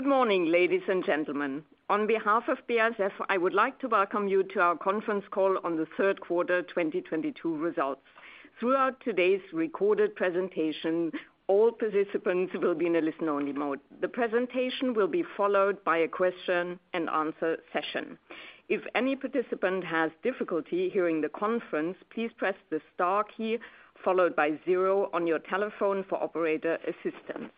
Good morning, ladies and gentlemen. On behalf of BASF, I would like to welcome you to our conference call on the third quarter 2022 results. Throughout today's recorded presentation, all participants will be in a listen-only mode. The presentation will be followed by a question and answer session. If any participant has difficulty hearing the conference, please press the star key followed by zero on your telephone for operator assistance.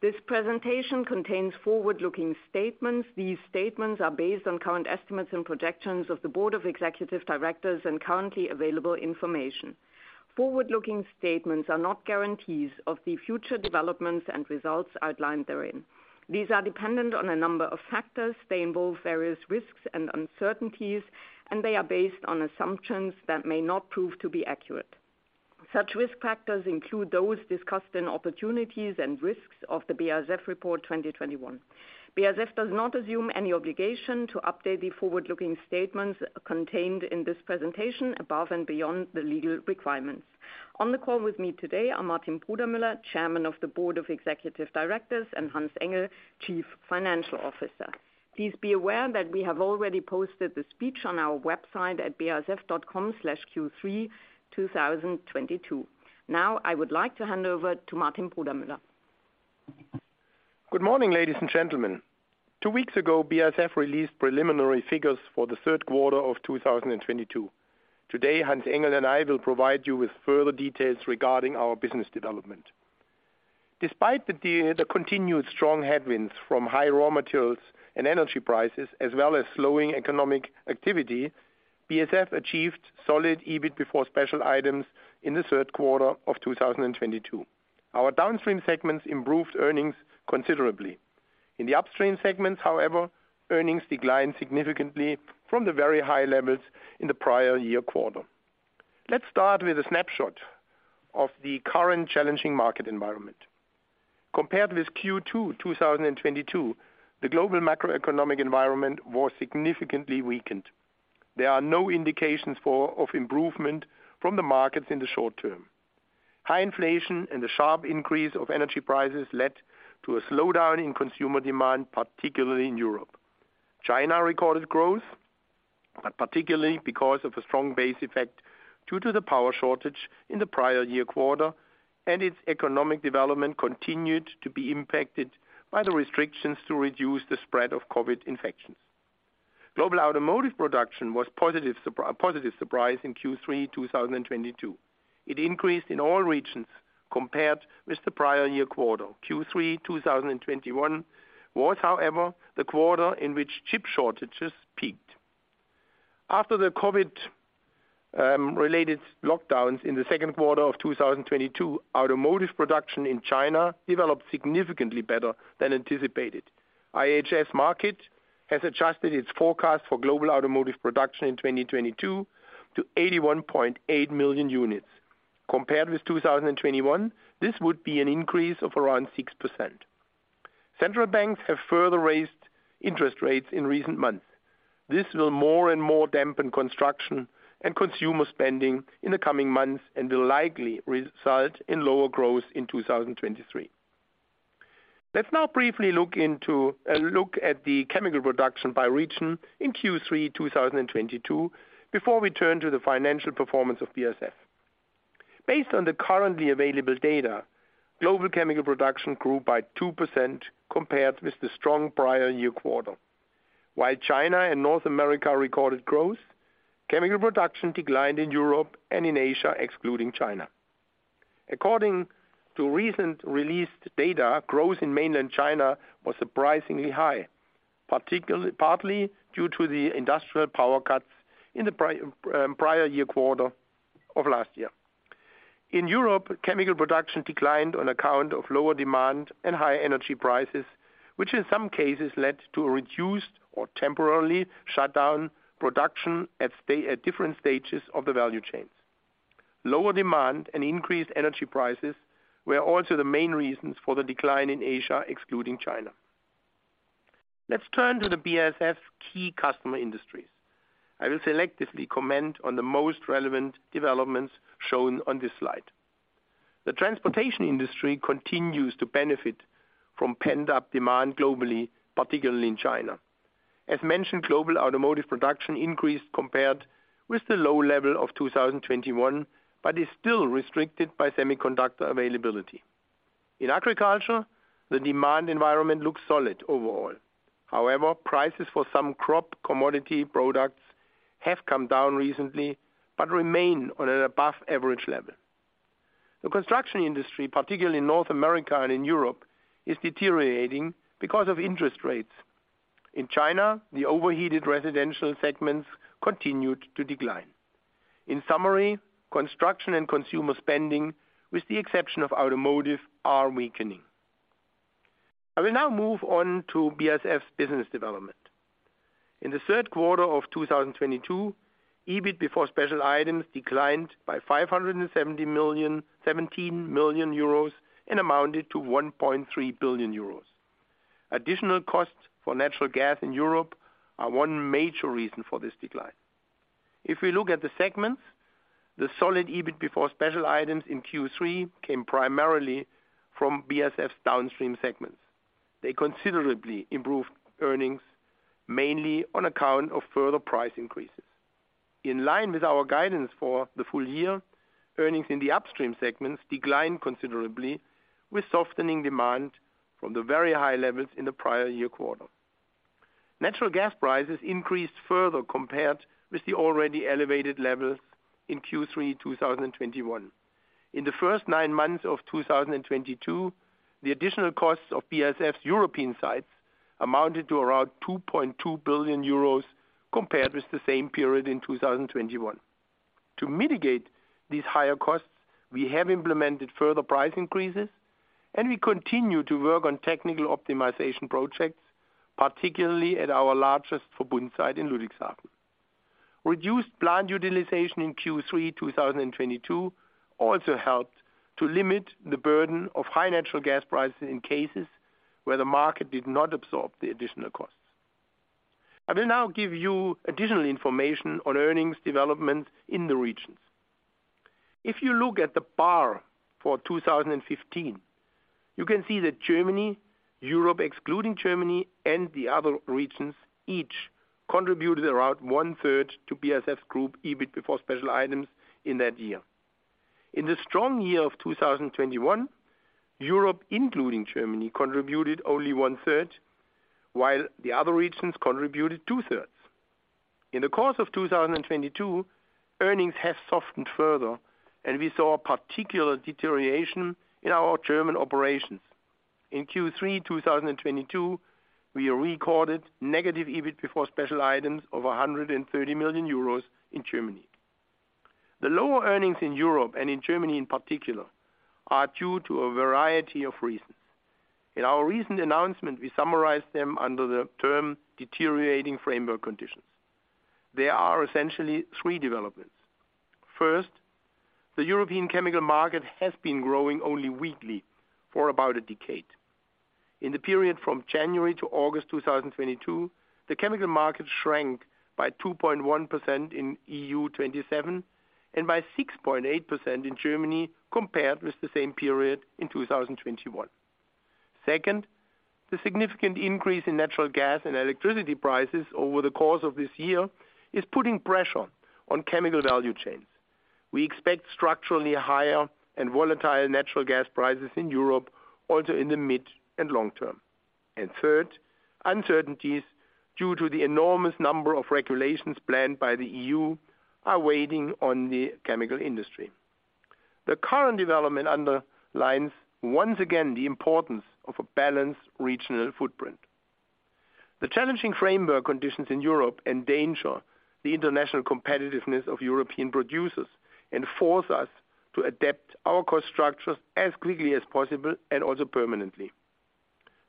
This presentation contains forward-looking statements. These statements are based on current estimates and projections of the Board of Executive Directors and currently available information. Forward-looking statements are not guarantees of the future developments and results outlined therein. These are dependent on a number of factors. They involve various risks and uncertainties, and they are based on assumptions that may not prove to be accurate. Such risk factors include those discussed in opportunities and risks of the BASF Report 2021. BASF does not assume any obligation to update the forward-looking statements contained in this presentation above and beyond the legal requirements. On the call with me today are Martin Brudermüller, Chairman of the Board of Executive Directors, and Hans-Ulrich Engel, Chief Financial Officer. Please be aware that we have already posted the speech on our website at basf.com/Q32022. Now, I would like to hand over to Martin Brudermüller. Good morning, ladies and gentlemen. Two weeks ago, BASF released preliminary figures for the third quarter of 2022. Today, Hans-Ulrich Engel and I will provide you with further details regarding our business development. Despite the continued strong headwinds from high raw materials and energy prices as well as slowing economic activity, BASF achieved solid EBIT before special items in the third quarter of 2022. Our downstream segments improved earnings considerably. In the upstream segments, however, earnings declined significantly from the very high levels in the prior year quarter. Let's start with a snapshot of the current challenging market environment. Compared with Q2 2022, the global macroeconomic environment was significantly weakened. There are no indications of improvement from the markets in the short term. High inflation and the sharp increase of energy prices led to a slowdown in consumer demand, particularly in Europe. China recorded growth, but particularly because of a strong base effect due to the power shortage in the prior year quarter, and its economic development continued to be impacted by the restrictions to reduce the spread of COVID infections. Global automotive production was a positive surprise in Q3 2022. It increased in all regions compared with the prior year quarter. Q3 2021 was, however, the quarter in which chip shortages peaked. After the COVID related lockdowns in the second quarter of 2022, automotive production in China developed significantly better than anticipated. IHS Markit has adjusted its forecast for global automotive production in 2022 to 81.8 million units. Compared with 2021, this would be an increase of around 6%. Central banks have further raised interest rates in recent months. This will more and more dampen construction and consumer spending in the coming months and will likely result in lower growth in 2023. Let's now briefly look at the chemical production by region in Q3 2022 before we turn to the financial performance of BASF. Based on the currently available data, global chemical production grew by 2% compared with the strong prior year quarter. While China and North America recorded growth, chemical production declined in Europe and in Asia, excluding China. According to recently released data, growth in mainland China was surprisingly high, partly due to the industrial power cuts in the prior year quarter of last year. In Europe, chemical production declined on account of lower demand and high energy prices, which in some cases led to a reduced or temporarily shut down production at different stages of the value chains. Lower demand and increased energy prices were also the main reasons for the decline in Asia, excluding China. Let's turn to the BASF key customer industries. I will selectively comment on the most relevant developments shown on this slide. The transportation industry continues to benefit from pent-up demand globally, particularly in China. As mentioned, global automotive production increased compared with the low level of 2021, but is still restricted by semiconductor availability. In agriculture, the demand environment looks solid overall. However, prices for some crop commodity products have come down recently, but remain on an above average level. The construction industry, particularly in North America and in Europe, is deteriorating because of interest rates. In China, the overheated residential segments continued to decline. In summary, construction and consumer spending, with the exception of automotive, are weakening. I will now move on to BASF's business development. In the third quarter of 2022, EBIT before special items declined by 17 million euros and amounted to 1.3 billion euros. Additional costs for natural gas in Europe are one major reason for this decline. If we look at the segments, the solid EBIT before special items in Q3 came primarily from BASF's downstream segments. They considerably improved earnings, mainly on account of further price increases. In line with our guidance for the full year, earnings in the upstream segments declined considerably with softening demand from the very high levels in the prior year quarter. Natural gas prices increased further compared with the already elevated levels in Q3 2021. In the first nine months of 2022, the additional costs of BASF's European sites amounted to around 2.2 billion euros compared with the same period in 2021. To mitigate these higher costs, we have implemented further price increases, and we continue to work on technical optimization projects, particularly at our largest Verbund site in Ludwigshafen. Reduced plant utilization in Q3 2022 also helped to limit the burden of high natural gas prices in cases where the market did not absorb the additional costs. I will now give you additional information on earnings development in the regions. If you look at the bar for 2015, you can see that Germany, Europe excluding Germany, and the other regions each contributed around one-third to BASF Group EBIT before special items in that year. In the strong year of 2021, Europe, including Germany, contributed only one-third, while the other regions contributed two-thirds. In the course of 2022, earnings have softened further, and we saw a particular deterioration in our German operations. In Q3 2022, we recorded negative EBIT before special items of 130 million euros in Germany. The lower earnings in Europe and in Germany in particular are due to a variety of reasons. In our recent announcement, we summarized them under the term deteriorating framework conditions. There are essentially three developments. First, the European chemical market has been growing only weakly for about a decade. In the period from January to August 2022, the chemical market shrank by 2.1% in EU27, and by 6.8% in Germany compared with the same period in 2021. Second, the significant increase in natural gas and electricity prices over the course of this year is putting pressure on chemical value chains. We expect structurally higher and volatile natural gas prices in Europe, also in the mid and long term. Third, uncertainties due to the enormous number of regulations planned by the EU are waiting on the chemical industry. The current development underlines once again the importance of a balanced regional footprint. The challenging framework conditions in Europe endanger the international competitiveness of European producers and force us to adapt our cost structures as quickly as possible and also permanently.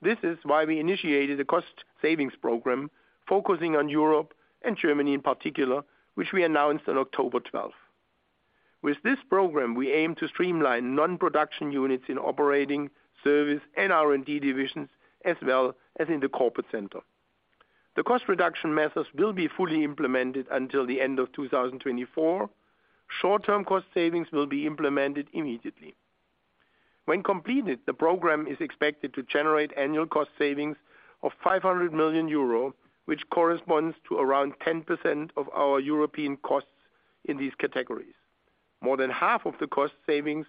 This is why we initiated a cost savings program focusing on Europe and Germany in particular, which we announced on October twelfth. With this program, we aim to streamline non-production units in operating, service, and R&D divisions, as well as in the corporate center. The cost reduction methods will be fully implemented until the end of 2024. Short-term cost savings will be implemented immediately. When completed, the program is expected to generate annual cost savings of 500 million euro, which corresponds to around 10% of our European costs in these categories. More than half of the cost savings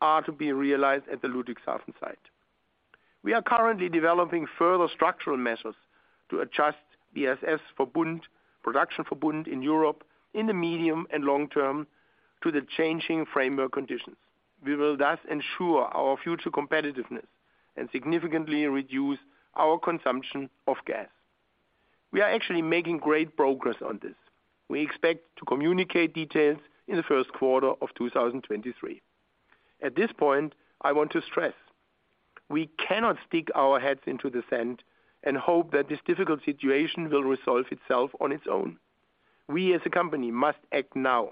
are to be realized at the Ludwigshafen site. We are currently developing further structural measures to adjust BASF Verbund, production Verbund in Europe in the medium and long term to the changing framework conditions. We will thus ensure our future competitiveness and significantly reduce our consumption of gas. We are actually making great progress on this. We expect to communicate details in the first quarter of 2023. At this point, I want to stress, we cannot stick our heads into the sand and hope that this difficult situation will resolve itself on its own. We as a company must act now.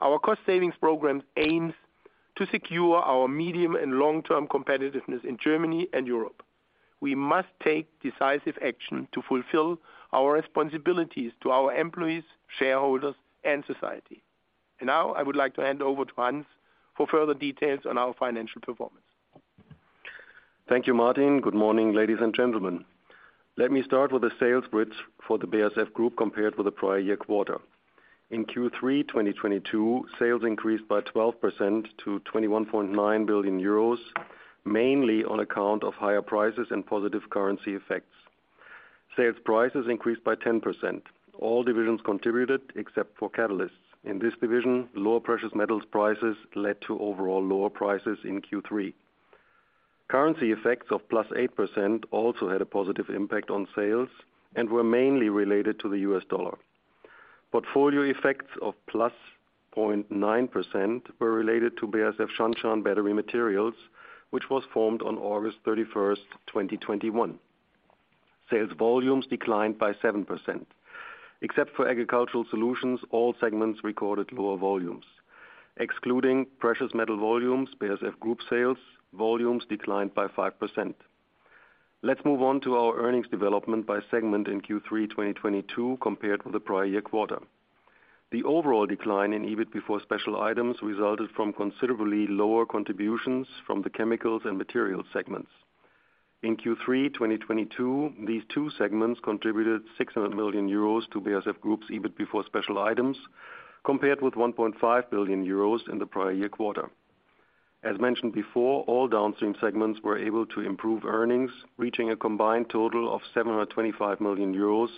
Our cost savings program aims to secure our medium and long-term competitiveness in Germany and Europe. We must take decisive action to fulfill our responsibilities to our employees, shareholders, and society. Now I would like to hand over to Hans for further details on our financial performance. Thank you, Martin. Good morning, ladies and gentlemen. Let me start with the sales figures for the BASF Group compared with the prior-year quarter. In Q3 2022, sales increased by 12% to 21.9 billion euros, mainly on account of higher prices and positive currency effects. Sales prices increased by 10%. All divisions contributed except for Catalysts. In this division, lower precious metals prices led to overall lower prices in Q3. Currency effects of +8% also had a positive impact on sales and were mainly related to the US dollar. Portfolio effects of +0.9% were related to BASF Shanshan Battery Materials, which was formed on August 31, 2021. Sales volumes declined by 7%. Except for Agricultural Solutions, all segments recorded lower volumes. Excluding precious metal volumes, BASF Group sales volumes declined by 5%. Let's move on to our earnings development by segment in Q3 2022 compared with the prior year quarter. The overall decline in EBIT before special items resulted from considerably lower contributions from the chemicals and materials segments. In Q3 2022, these two segments contributed 600 million euros to BASF Group's EBIT before special items, compared with 1.5 billion euros in the prior year quarter. As mentioned before, all downstream segments were able to improve earnings, reaching a combined total of 725 million euros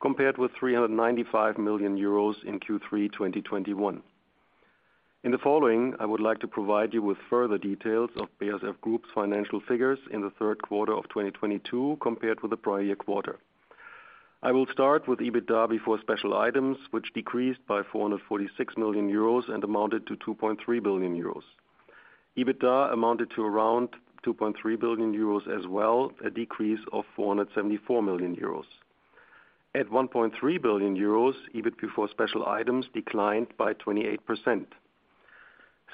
compared with 395 million euros in Q3 2021. In the following, I would like to provide you with further details of BASF Group's financial figures in the third quarter of 2022 compared with the prior year quarter. I will start with EBITDA before special items, which decreased by 446 million euros and amounted to 2.3 billion euros. EBITDA amounted to around 2.3 billion euros as well, a decrease of 474 million euros. At 1.3 billion euros, EBIT before special items declined by 28%.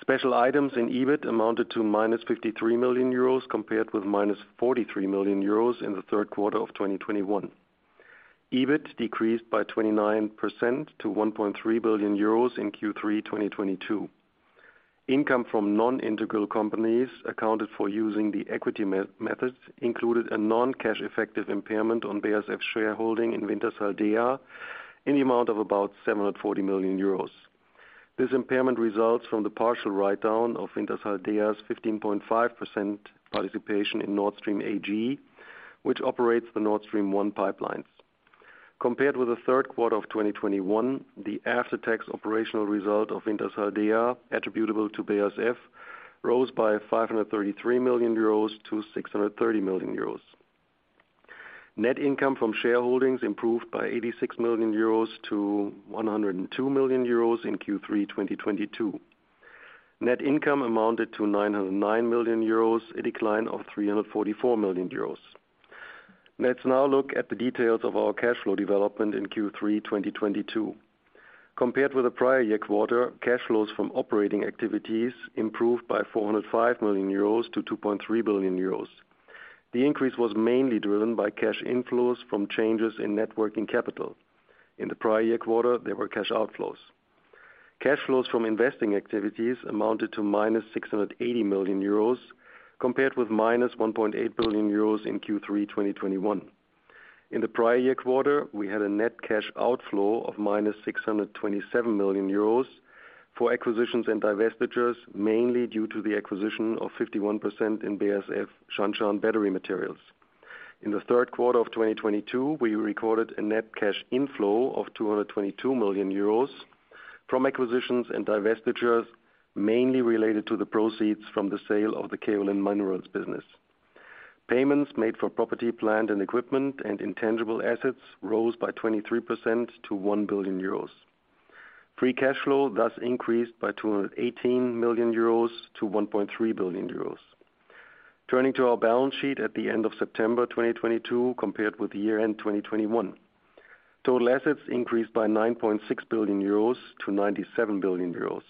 Special items in EBIT amounted to -53 million euros compared with -43 million euros in the third quarter of 2021. EBIT decreased by 29% to 1.3 billion euros in Q3 2022. Income from non-integral companies accounted for using the equity method included a non-cash impairment on BASF shareholding in Wintershall Dea in the amount of about 740 million euros. This impairment results from the partial write-down of Wintershall Dea's 15.5% participation in Nord Stream AG, which operates the Nord Stream 1 pipelines. Compared with the third quarter of 2021, the after-tax operational result of Wintershall Dea attributable to BASF rose by 533 million euros to 630 million euros. Net income from shareholdings improved by 86 million euros to 102 million euros in Q3 2022. Net income amounted to 909 million euros, a decline of 344 million euros. Let's now look at the details of our cash flow development in Q3 2022. Compared with the prior year quarter, cash flows from operating activities improved by 405 million euros to 2.3 billion euros. The increase was mainly driven by cash inflows from changes in net working capital. In the prior year quarter, there were cash outflows. Cash flows from investing activities amounted to -680 million euros compared with -1.8 billion euros in Q3 2021. In the prior year quarter, we had a net cash outflow of -627 million euros for acquisitions and divestitures, mainly due to the acquisition of 51% in BASF Shanshan Battery Materials. In the third quarter of 2022, we recorded a net cash inflow of 222 million euros from acquisitions and divestitures, mainly related to the proceeds from the sale of the Kaolin Minerals business. Payments made for property, plant and equipment and intangible assets rose by 23% to 1 billion euros. Free cash flow thus increased by 218 million euros to 1.3 billion euros. Turning to our balance sheet at the end of September 2022 compared with year-end 2021. Total assets increased by 9.6 billion euros to 97 billion euros.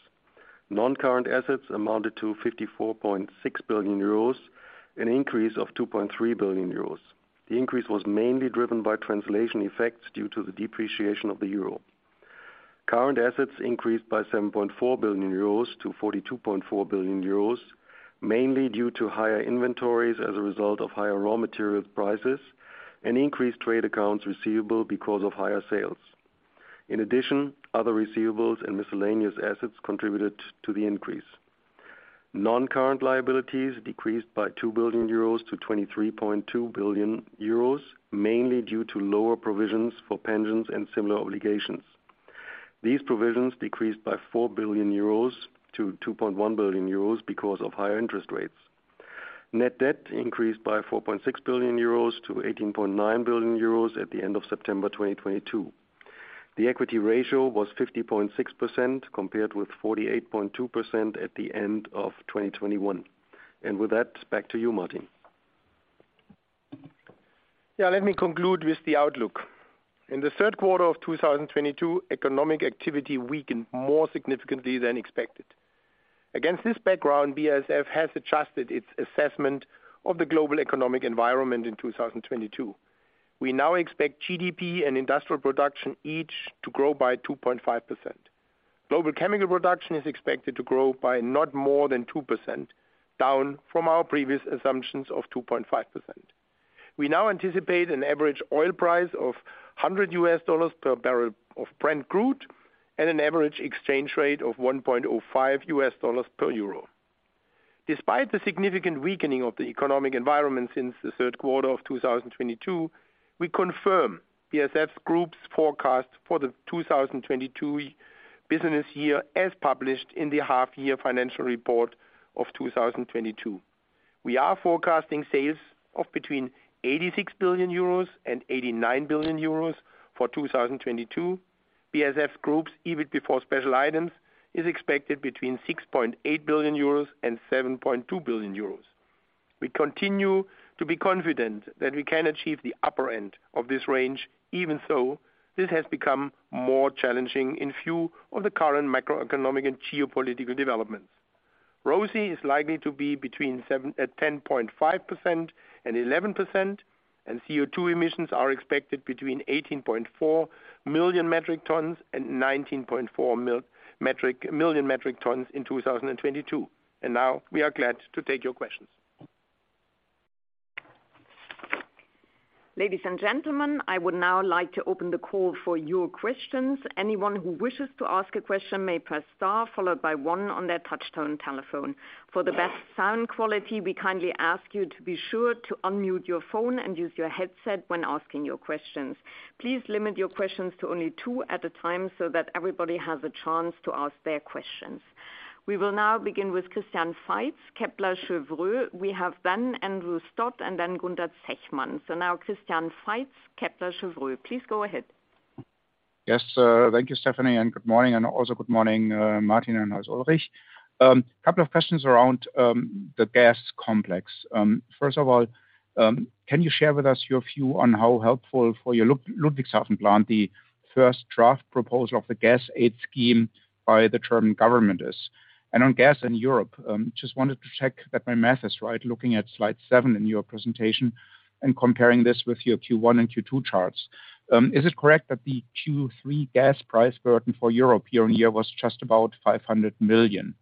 Non-current assets amounted to 54.6 billion euros, an increase of 2.3 billion euros. The increase was mainly driven by translation effects due to the depreciation of the euro. Current assets increased by 7.4 billion euros to 42.4 billion euros, mainly due to higher inventories as a result of higher raw material prices and increased trade accounts receivable because of higher sales. In addition, other receivables and miscellaneous assets contributed to the increase. Non-current liabilities decreased by 2 billion euros to 23.2 billion euros, mainly due to lower provisions for pensions and similar obligations. These provisions decreased by 4 billion euros to 2.1 billion euros because of higher interest rates. Net debt increased by 4.6 billion euros to 18.9 billion euros at the end of September 2022. The equity ratio was 50.6% compared with 48.2% at the end of 2021. With that, back to you, Martin. Yeah, let me conclude with the outlook. In the third quarter of 2022, economic activity weakened more significantly than expected. Against this background, BASF has adjusted its assessment of the global economic environment in 2022. We now expect GDP and industrial production each to grow by 2.5%. Global chemical production is expected to grow by not more than 2%, down from our previous assumptions of 2.5%. We now anticipate an average oil price of $100 per barrel of Brent crude and an average exchange rate of 1.05 US dollars per euro. Despite the significant weakening of the economic environment since the third quarter of 2022, we confirm BASF Group's forecast for the 2022 business year as published in the half-year financial report of 2022. We are forecasting sales of between 86 billion euros and 89 billion euros for 2022. BASF Group's EBIT before special items is expected between 6.8 billion euros and 7.2 billion euros. We continue to be confident that we can achieve the upper end of this range. Even so, this has become more challenging in view of the current macroeconomic and geopolitical developments. ROCE is likely to be between 10.5% and 11%, and CO2 emissions are expected between 18.4 million metric tons and 19.4 million metric tons in 2022. Now we are glad to take your questions. Ladies and gentlemen, I would now like to open the call for your questions. Anyone who wishes to ask a question may press star followed by one on their touchtone telephone. For the best sound quality, we kindly ask you to be sure to unmute your phone and use your headset when asking your questions. Please limit your questions to only two at a time so that everybody has a chance to ask their questions. We will now begin with Christian Faitz, Kepler Cheuvreux. We have then Andrew Stott and then Gunther Zechmann. Now Christian Faitz, Kepler Cheuvreux, please go ahead. Thank you, Stefanie, and good morning, and also good morning, Martin and Hans-Ulrich. Couple of questions around the gas complex. First of all, can you share with us your view on how helpful for your Ludwigshafen plant the first draft proposal of the gas aid scheme by the German government is? On gas in Europe, just wanted to check that my math is right, looking at slide 7 in your presentation and comparing this with your Q1 and Q2 charts. Is it correct that the Q3 gas price burden for Europe year-on-year was just about 500 million?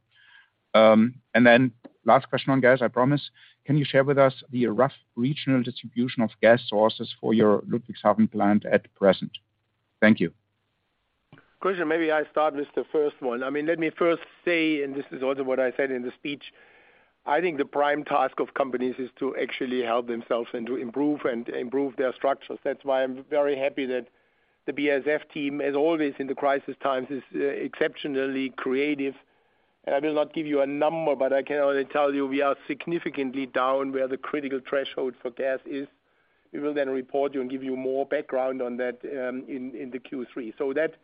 Last question on gas, I promise, can you share with us the rough regional distribution of gas sources for your Ludwigshafen plant at present? Thank you. Christian Faitz, maybe I start with the first one. I mean, let me first say, this is also what I said in the speech. I think the prime task of companies is to actually help themselves and to improve their structures. That's why I'm very happy that the BASF team, as always in the crisis times, is exceptionally creative. I will not give you a number, but I can only tell you we are significantly down where the critical threshold for gas is. We will then report you and give you more background on that in the Q3. That reduces the Q1 next year.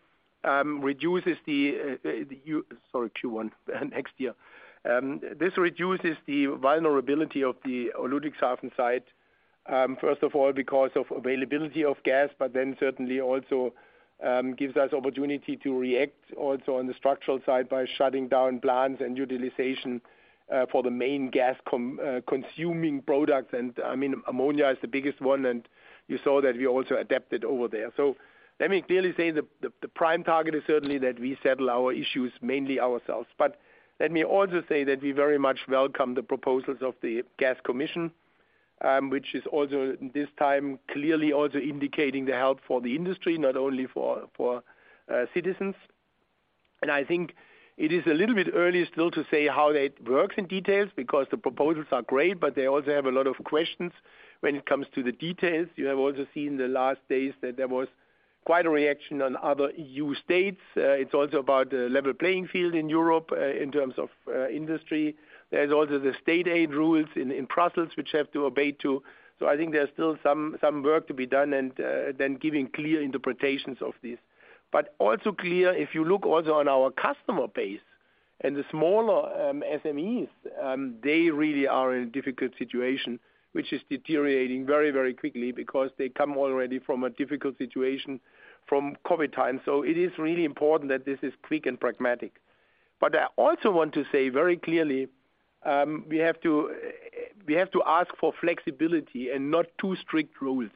This reduces the vulnerability of the Ludwigshafen site, first of all because of availability of gas, but then certainly also gives us opportunity to react also on the structural side by shutting down plants and utilization for the main gas consuming products. I mean, ammonia is the biggest one, and you saw that we also adapted over there. Let me clearly say the prime target is certainly that we settle our issues mainly ourselves. Let me also say that we very much welcome the proposals of the Gas Commission, which is also this time clearly also indicating the help for the industry, not only for citizens. I think it is a little bit early still to say how that works in details because the proposals are great, but they also have a lot of questions when it comes to the details. You have also seen the last days that there was quite a reaction on other EU states. It's also about a level playing field in Europe, in terms of, industry. There's also the state aid rules in Brussels which have to obey to. I think there's still some work to be done and then giving clear interpretations of this. But also clear, if you look also on our customer base and the smaller, SMEs, they really are in difficult situation, which is deteriorating very, very quickly because they come already from a difficult situation from COVID times. It is really important that this is quick and pragmatic. I also want to say very clearly, we have to ask for flexibility and not too strict rules,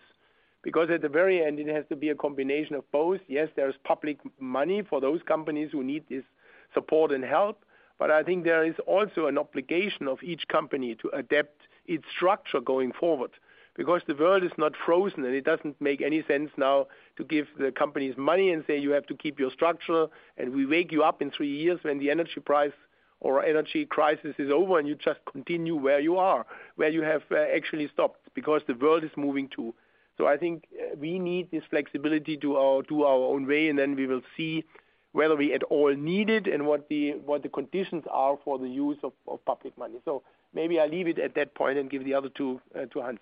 because at the very end it has to be a combination of both. Yes, there is public money for those companies who need this support and help, but I think there is also an obligation of each company to adapt its structure going forward because the world is not frozen, and it doesn't make any sense now to give the companies money and say you have to keep your structure, and we wake you up in three years when the energy price or energy crisis is over, and you just continue where you are, where you have actually stopped because the world is moving too. I think we need this flexibility to our own way, and then we will see whether we at all need it and what the conditions are for the use of public money. Maybe I leave it at that point and give the other two to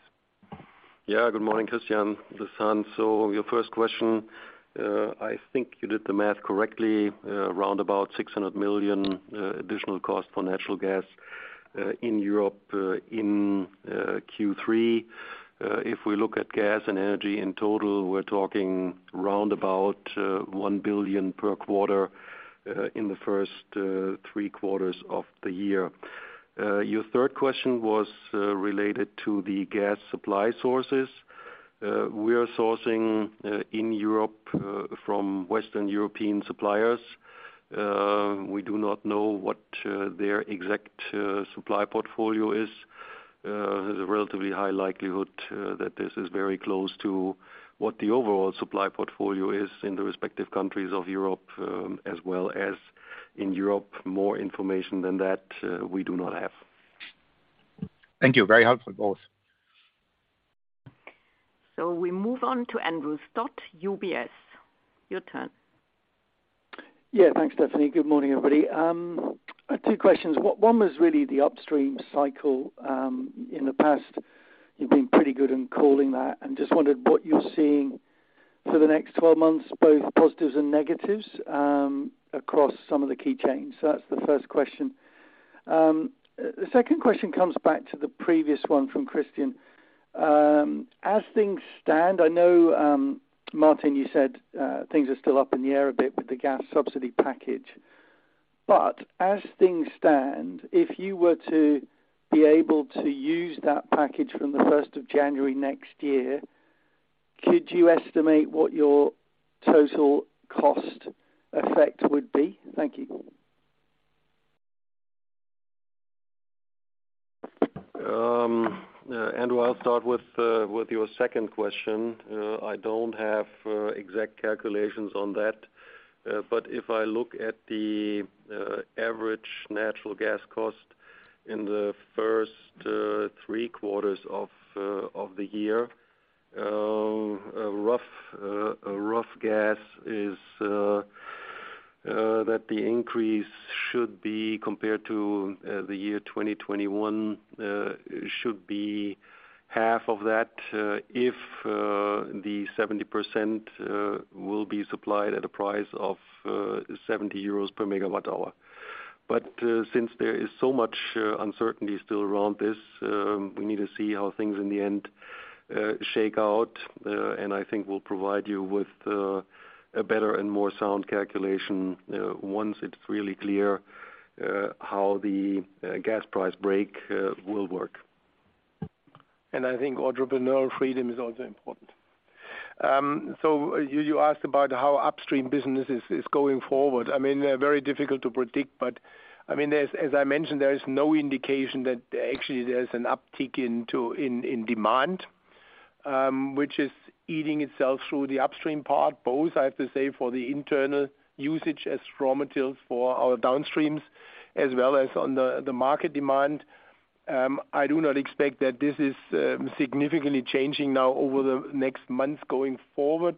Hans. Good morning, Christian. This is Hans. Your first question, I think you did the math correctly, around about 600 million additional cost for natural gas in Europe in Q3. If we look at gas and energy in total, we're talking round about 1 billion per quarter in the first three quarters of the year. Your third question was related to the gas supply sources. We are sourcing in Europe from Western European suppliers. We do not know what their exact supply portfolio is. There's a relatively high likelihood that this is very close to what the overall supply portfolio is in the respective countries of Europe, as well as in Europe. More information than that, we do not have. Thank you. Very helpful, both. We move on to Andrew Stott, UBS. Your turn. Yeah. Thanks, Stefanie. Good morning, everybody. I had two questions. One was really the upstream cycle. In the past you've been pretty good in calling that and just wondered what you're seeing for the next 12 months, both positives and negatives, across some of the key chains. That's the first question. The second question comes back to the previous one from Christian. As things stand, I know, Martin, you said, things are still up in the air a bit with the gas subsidy package. As things stand, if you were to be able to use that package from the first of January next year, could you estimate what your total cost effect would be? Thank you. Andrew, I'll start with your second question. I don't have exact calculations on that. If I look at the average natural gas cost in the first three quarters of the year, a rough guess is that the increase compared to the year 2021 should be half of that, if 70% will be supplied at a price of 70 euros per megawatt hour. Since there is so much uncertainty still around this, we need to see how things in the end shake out. I think we'll provide you with a better and more sound calculation once it's really clear how the gas price brake will work. I think entrepreneurial freedom is also important. So you asked about how upstream business is going forward. I mean, very difficult to predict, but I mean, as I mentioned, there is no indication that actually there's an uptick in demand, which is eating itself through the upstream part, both I have to say for the internal usage as raw materials for our downstreams, as well as on the market demand. I do not expect that this is significantly changing now over the next months going forward.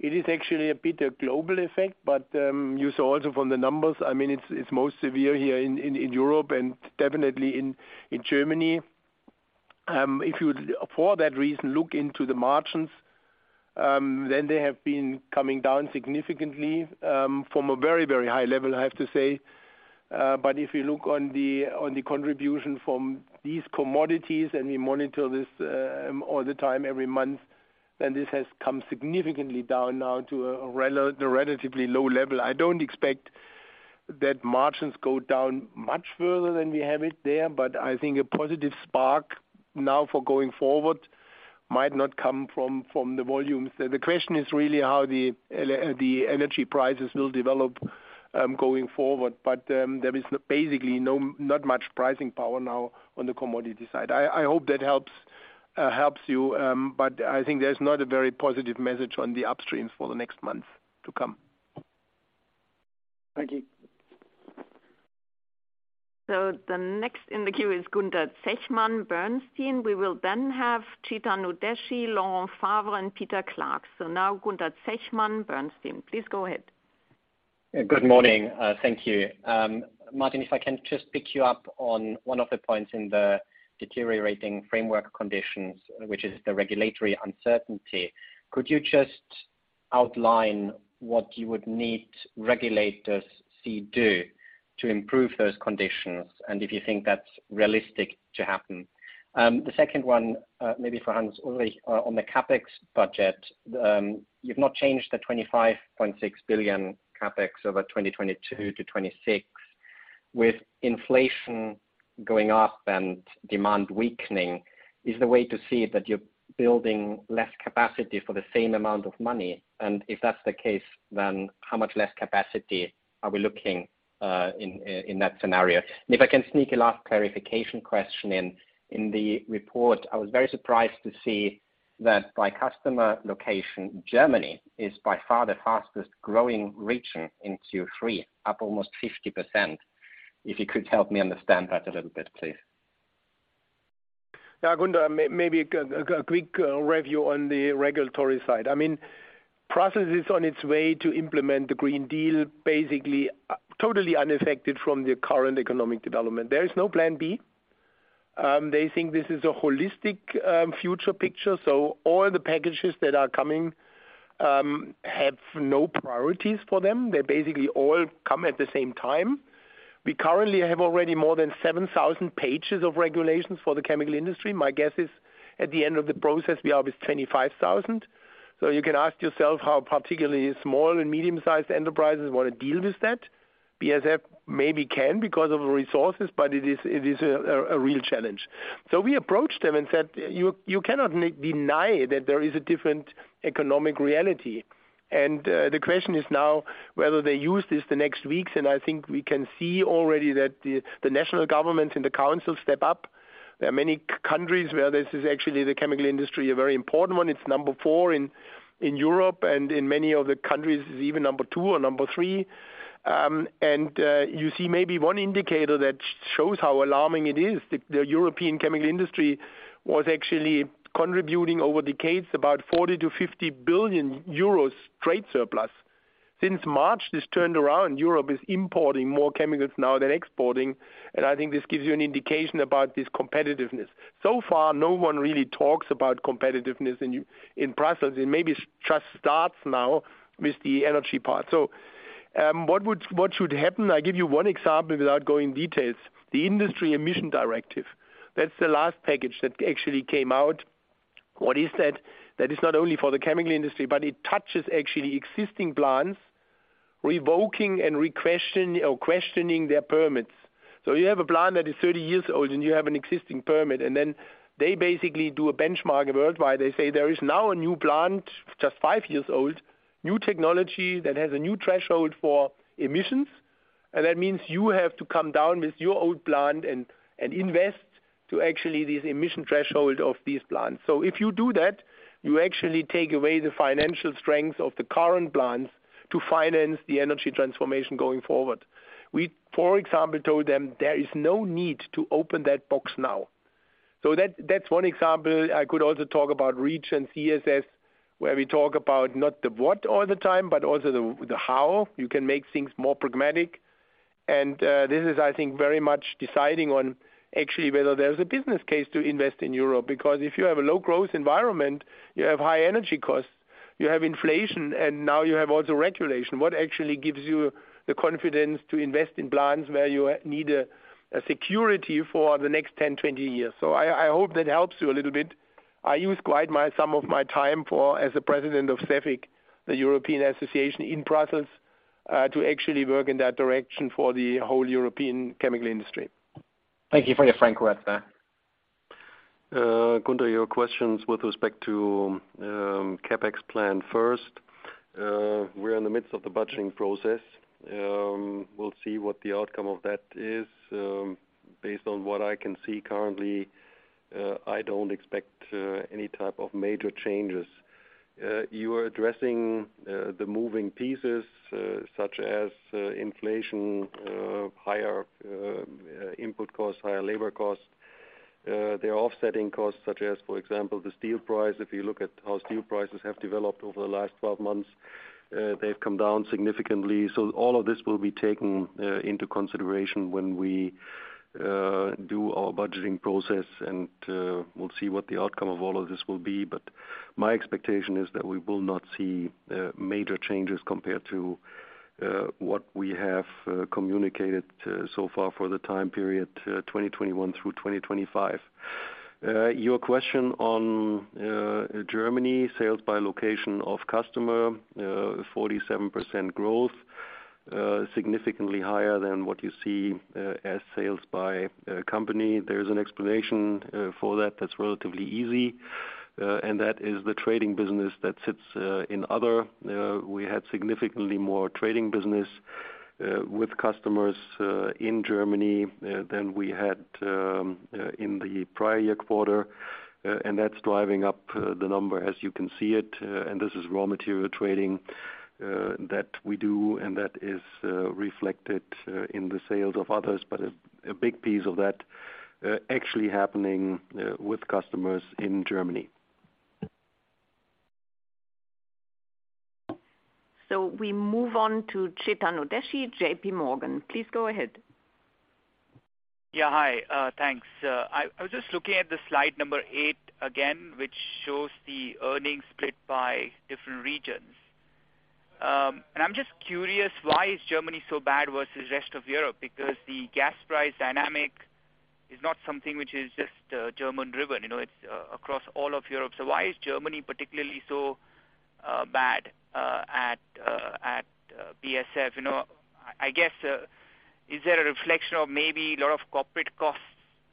It is actually a bit of a global effect, but you saw also from the numbers, I mean, it's most severe here in Europe and definitely in Germany. If you for that reason look into the margins, then they have been coming down significantly, from a very high level, I have to say. If you look on the contribution from these commodities, and we monitor this all the time, every month, then this has come significantly down now to a relatively low level. I don't expect that margins go down much further than we have it there, but I think a positive spark now for going forward might not come from the volumes. The question is really how the energy prices will develop going forward. There is basically not much pricing power now on the commodity side. I hope that helps you. I think there's not a very positive message on the upstream for the next month to come. Thank you. The next in the queue is Gunther Zechmann, Bernstein. We will then have Chetan Udeshi, Laurent Favre, and Peter Clark. Now Gunther Zechmann, Bernstein, please go ahead. Good morning. Thank you. Martin, if I can just pick you up on one of the points in the deteriorating framework conditions, which is the regulatory uncertainty. Could you just outline what you would need regulators to do to improve those conditions, and if you think that's realistic to happen? The second one, maybe for Hans-Ulrich Engel on the CapEx budget. You've not changed the 25.6 billion CapEx over 2022-2026. With inflation going up and demand weakening, is the way to see it that you're building less capacity for the same amount of money? And if that's the case, then how much less capacity are we looking in that scenario? And if I can sneak a last clarification question in. In the report, I was very surprised to see that by customer location, Germany is by far the fastest-growing region in Q3, up almost 50%. If you could help me understand that a little bit, please. Now, Gunther, maybe a quick review on the regulatory side. I mean, process is on its way to implement the European Green Deal basically, totally unaffected from the current economic development. There is no plan B. They think this is a holistic future picture, so all the packages that are coming have no priorities for them. They basically all come at the same time. We currently have already more than 7,000 pages of regulations for the chemical industry. My guess is at the end of the process, we are with 25,000. You can ask yourself how particularly small and medium-sized enterprises want to deal with that. BASF maybe can because of resources, but it is a real challenge. We approached them and said, "You cannot deny that there is a different economic reality." The question is now whether they use this in the next weeks, and I think we can see already that the national governments and the councils step up. There are many countries where the chemical industry is actually a very important one. It's number 4 in Europe and in many other countries is even number 2 or number 3. You see maybe one indicator that shows how alarming it is. The European chemical industry was actually contributing over decades about 40 billion-50 billion euros trade surplus. Since March, this turned around. Europe is importing more chemicals now than exporting, and I think this gives you an indication about this competitiveness. No one really talks about competitiveness in the EU process. It may be just starts now with the energy part. What should happen? I give you one example without going into details. The Industrial Emissions Directive, that's the last package that actually came out. What is that? That is not only for the chemical industry, but it touches actually existing plants, questioning their permits. You have a plant that is 30 years old and you have an existing permit, and then they basically do a benchmark worldwide. They say there is now a new plant, just 5 years old, new technology that has a new threshold for emissions. That means you have to come down with your old plant and invest to meet this emission threshold of these plants. If you do that, you actually take away the financial strength of the current plants to finance the energy transformation going forward. We, for example, told them there is no need to open that box now. That, that's one example. I could also talk about REACH and CSS, where we talk about not the what all the time, but also the how you can make things more pragmatic. This is, I think, very much deciding on actually whether there's a business case to invest in Europe. Because if you have a low growth environment, you have high energy costs, you have inflation, and now you have also regulation. What actually gives you the confidence to invest in plants where you need a security for the next 10, 20 years? I hope that helps you a little bit. I use some of my time for, as the president of Cefic, the European Association in Brussels, to actually work in that direction for the whole European chemical industry. Thank you for your frank words there. Gunther, your questions with respect to CapEx plan first. We're in the midst of the budgeting process. We'll see what the outcome of that is. Based on what I can see currently, I don't expect any type of major changes. You are addressing the moving pieces such as inflation, higher input costs, higher labor costs. They are offsetting costs such as, for example, the steel price. If you look at how steel prices have developed over the last 12 months, they've come down significantly. All of this will be taken into consideration when we do our budgeting process, and we'll see what the outcome of all of this will be. My expectation is that we will not see major changes compared to what we have communicated so far for the time period 2021 through 2025. Your question on Germany sales by location of customer 47% growth significantly higher than what you see as sales by company. There's an explanation for that that's relatively easy, and that is the trading business that sits in other. We had significantly more trading business with customers in Germany than we had in the prior year quarter, and that's driving up the number as you can see it. This is raw material trading that we do, and that is reflected in the sales of others. A big piece of that actually happening with customers in Germany. We move on to Chetan Udeshi, J.P. Morgan. Please go ahead. Yeah. Hi, thanks. I was just looking at the slide number 8 again, which shows the earnings split by different regions. I'm just curious, why is Germany so bad versus rest of Europe? Because the gas price dynamic is not something which is just German driven, you know, it's across all of Europe. Why is Germany particularly so bad at BASF? You know, I guess is there a reflection of maybe a lot of corporate costs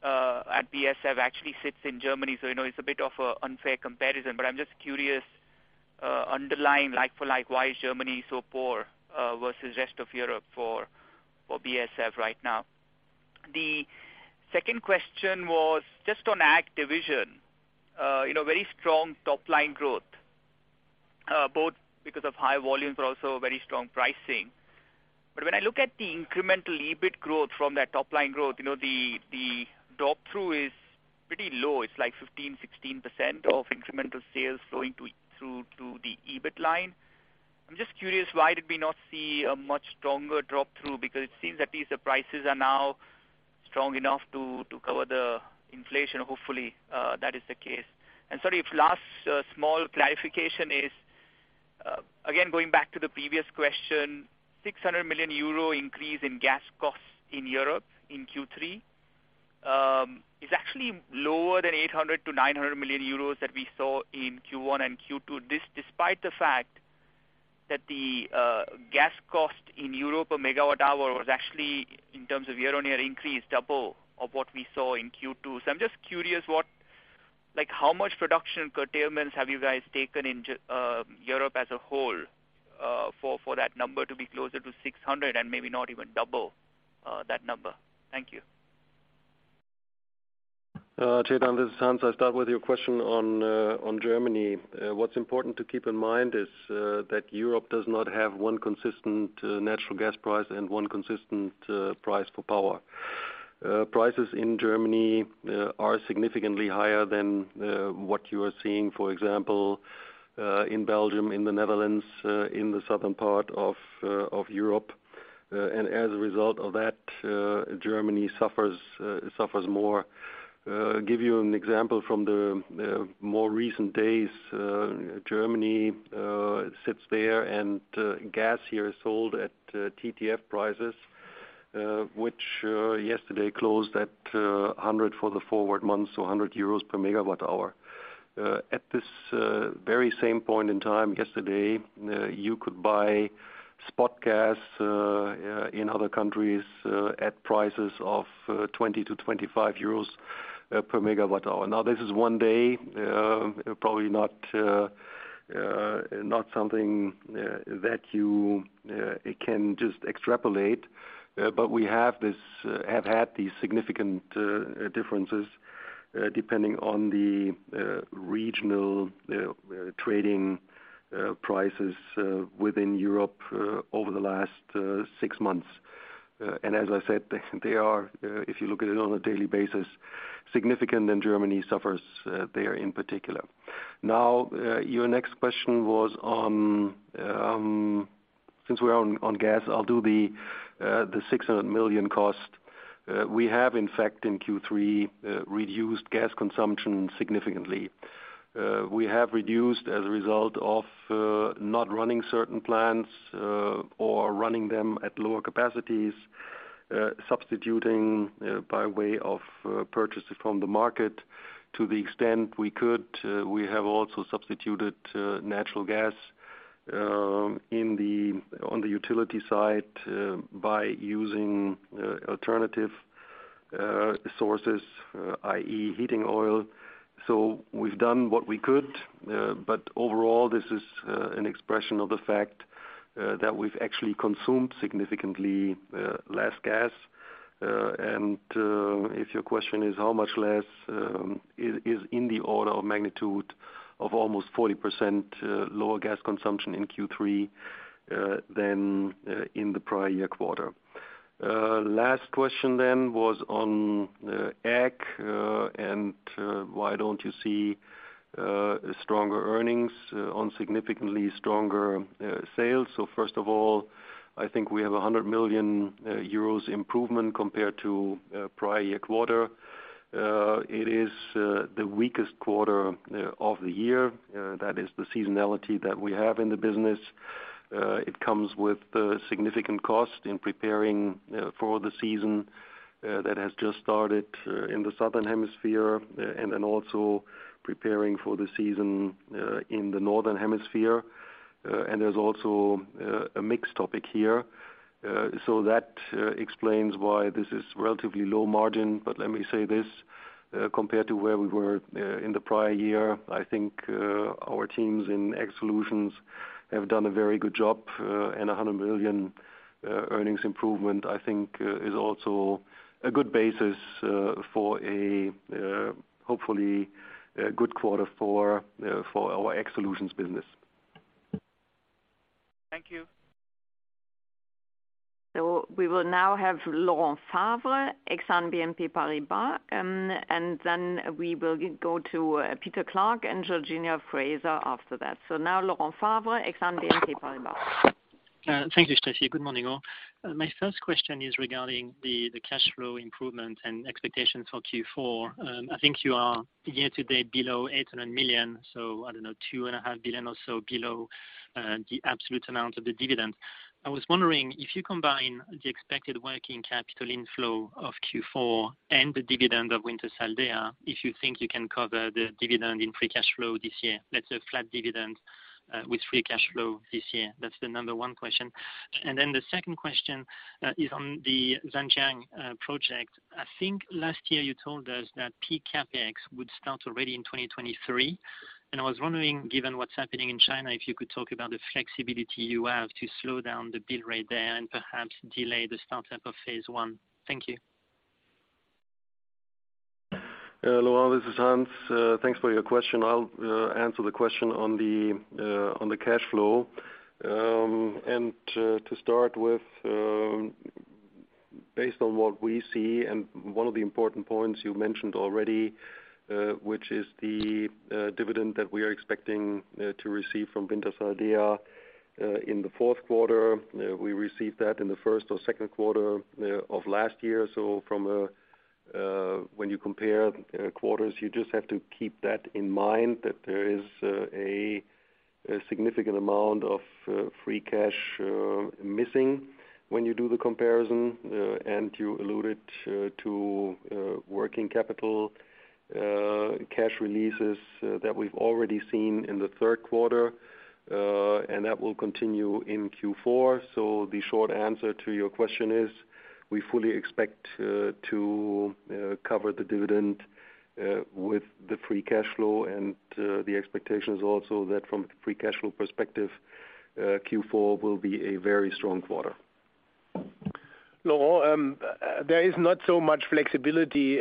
at BASF actually sits in Germany, so you know, it's a bit of an unfair comparison. I'm just curious underlying like for like, why is Germany so poor versus rest of Europe for BASF right now? The second question was just on ag division. You know, very strong top line growth, both because of high volumes but also very strong pricing. When I look at the incremental EBIT growth from that top line growth, you know, the drop-through is pretty low. It's like 15, 16% of incremental sales flowing through to the EBIT line. I'm just curious, why did we not see a much stronger drop-through? Because it seems that these prices are now strong enough to cover the inflation. Hopefully, that is the case. Sorry, if last small clarification is, again, going back to the previous question, 600 million euro increase in gas costs in Europe in Q3 is actually lower than 800 million-900 million euros that we saw in Q1 and Q2. This despite the fact that the gas cost in Europe a megawatt hour was actually, in terms of year-on-year increase, double of what we saw in Q2. I'm just curious what like how much production curtailments have you guys taken in Europe as a whole, for that number to be closer to 600 and maybe not even double that number? Thank you. Chetan, this is Hans. I'll start with your question on Germany. What's important to keep in mind is that Europe does not have one consistent natural gas price and one consistent price for power. Prices in Germany are significantly higher than what you are seeing, for example, in Belgium, in the Netherlands, in the southern part of Europe. As a result of that, Germany suffers more. Give you an example from the more recent days. Germany sits there and gas here is sold at TTF prices. Which yesterday closed at 100 for the forward months, so 100 euros per megawatt hour. At this very same point in time yesterday, you could buy spot gas in other countries at prices of 20-25 euros per megawatt hour. Now, this is one day, probably not something that you can just extrapolate. We have had these significant differences depending on the regional trading prices within Europe over the last six months. As I said, they are, if you look at it on a daily basis, significant, and Germany suffers there in particular. Now, your next question was on, since we're on gas, I'll do the 600 million cost. We have, in fact, in Q3, reduced gas consumption significantly. We have reduced as a result of not running certain plants or running them at lower capacities, substituting by way of purchases from the market to the extent we could. We have also substituted natural gas on the utility side by using alternative sources, i.e., heating oil. We've done what we could, but overall, this is an expression of the fact that we've actually consumed significantly less gas. If your question is how much less, it is in the order of magnitude of almost 40% lower gas consumption in Q3 than in the prior year quarter. Last question was on AG and why don't you see stronger earnings on significantly stronger sales? First of all, I think we have 100 million euros improvement compared to prior year quarter. It is the weakest quarter of the year. That is the seasonality that we have in the business. It comes with significant cost in preparing for the season that has just started in the Southern Hemisphere, and then also preparing for the season in the Northern Hemisphere. There's also a mixed topic here. That explains why this is relatively low margin. Let me say this, compared to where we were in the prior year, I think our teams in Agricultural Solutions have done a very good job, and 100 million earnings improvement, I think, is also a good basis for, hopefully, a good quarter for our Agricultural Solutions business. Thank you. We will now have Laurent Favre, Exane BNP Paribas, and then we will go to Peter Clark, and Georgina Fraser after that. Now Laurent Favre, Exane BNP Paribas. Thank you, Stefanie. Good morning, all. My first question is regarding the cash flow improvement and expectations for Q4. I think you are year to date below 800 million, so I don't know, 2.5 billion or so below the absolute amount of the dividend. I was wondering if you combine the expected working capital inflow of Q4 and the dividend of Wintershall Dea, if you think you can cover the dividend in free cash flow this year. That's a flat dividend with free cash flow this year. That's the number one question. Then the second question is on the Zhanjiang project. I think last year you told us that peak CapEx would start already in 2023. I was wondering, given what's happening in China, if you could talk about the flexibility you have to slow down the build rate there and perhaps delay the startup of phase one. Thank you. Laurent, this is Hans. Thanks for your question. I'll answer the question on the cash flow. To start with, based on what we see, and one of the important points you mentioned already, which is the dividend that we are expecting to receive from Wintershall Dea in the fourth quarter. We received that in the first or second quarter of last year. From a when you compare quarters, you just have to keep that in mind that there is a significant amount of free cash missing when you do the comparison. You alluded to working capital cash releases that we've already seen in the third quarter, and that will continue in Q4. The short answer to your question is we fully expect to cover the dividend with the free cash flow. The expectation is also that from free cash flow perspective, Q4 will be a very strong quarter. Laurent Favre, there is not so much flexibility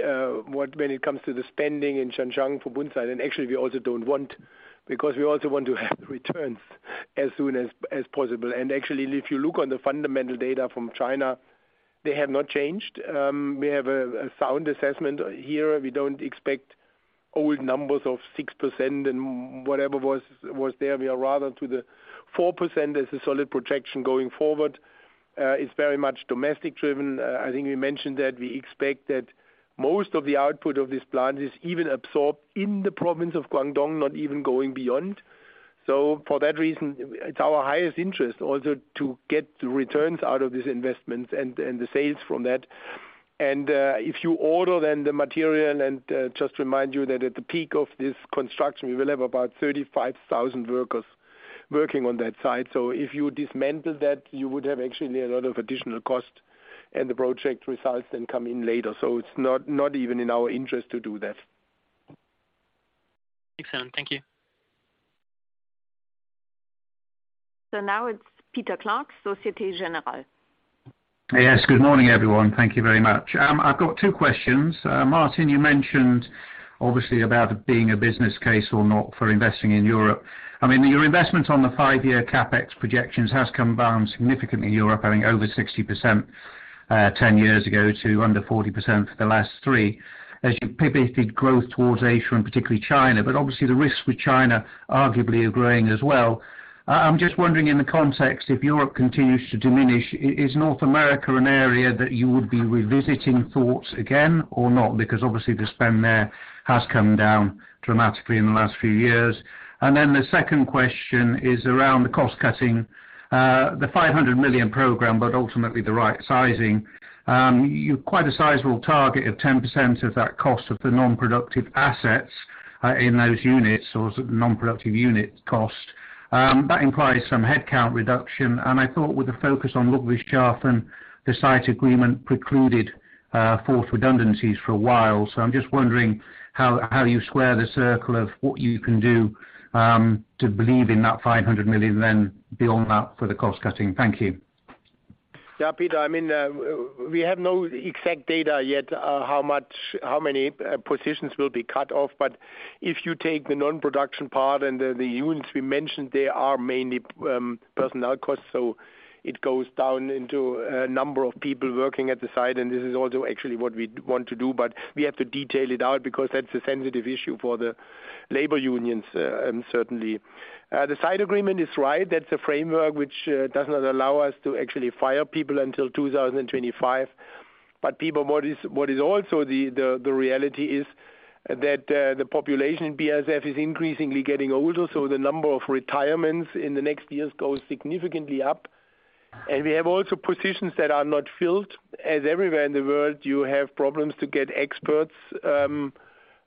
when it comes to the spending in Zhanjiang for 100%. Actually, we also don't want, because we also want to have returns as soon as possible. Actually, if you look on the fundamental data from China, they have not changed. We have a sound assessment here. We don't expect old numbers of 6% and whatever was there. We are rather to the 4% as a solid projection going forward. It's very much domestically driven. I think we mentioned that we expect that most of the output of this plant is even absorbed in the province of Guangdong, not even going beyond. For that reason, it's our highest interest also to get the returns out of these investments and the sales from that. If you order then the material and just remind you that at the peak of this construction, we will have about 35,000 workers working on that site. If you dismantle that, you would have actually a lot of additional cost and the project results then come in later. It's not even in our interest to do that. Excellent. Thank you. now it's Peter Clark, Société Générale. Yes. Good morning, everyone. Thank you very much. I've got two questions. Martin, you mentioned obviously about it being a business case or not for investing in Europe. I mean, your investment on the five-year CapEx projections has come down significantly in Europe, having over 60%, 10 years ago to under 40% for the last 3, as you pivoted growth towards Asia, and particularly China. Obviously the risks with China arguably are growing as well. I'm just wondering in the context, if Europe continues to diminish, is North America an area that you would be revisiting thoughts again or not? Because obviously the spend there has come down dramatically in the last few years. Then the second question is around the cost cutting, the 500 million program, but ultimately the right sizing. You've quite a sizable target of 10% of that cost of the non-productive assets, in those units or non-productive unit cost. That implies some headcount reduction, and I thought with the focus on Ludwigshafen, the site agreement precluded forced redundancies for a while. I'm just wondering how you square the circle of what you can do to believe in that 500 million then beyond that for the cost cutting. Thank you. Yeah, Peter. I mean, we have no exact data yet, how many positions will be cut off, but if you take the non-production part and the units we mentioned, they are mainly personnel costs, so it goes down into a number of people working at the site, and this is also actually what we want to do. We have to detail it out because that's a sensitive issue for the labor unions, certainly. The site agreement is right. That's a framework which does not allow us to actually fire people until 2025. Peter, what is also the reality is that the population in BASF is increasingly getting older, so the number of retirements in the next years goes significantly up. We have also positions that are not filled, as everywhere in the world you have problems to get experts,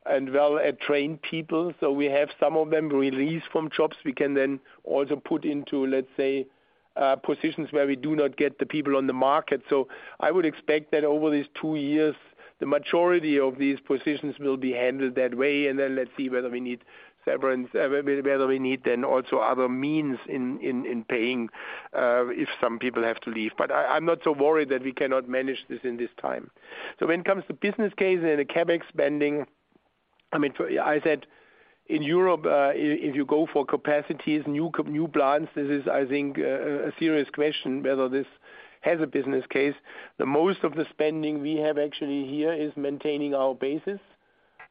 and well-trained people. We have some of them released from jobs we can then also put into, let's say, positions where we do not get the people on the market. I would expect that over these two years, the majority of these positions will be handled that way, and then let's see whether we need then also other means in paying, if some people have to leave. I'm not so worried that we cannot manage this in this time. When it comes to business case and the CapEx spending, I mean, I said in Europe, if you go for capacities, new plants, this is, I think, a serious question whether this has a business case. The most of the spending we have actually here is maintaining our bases.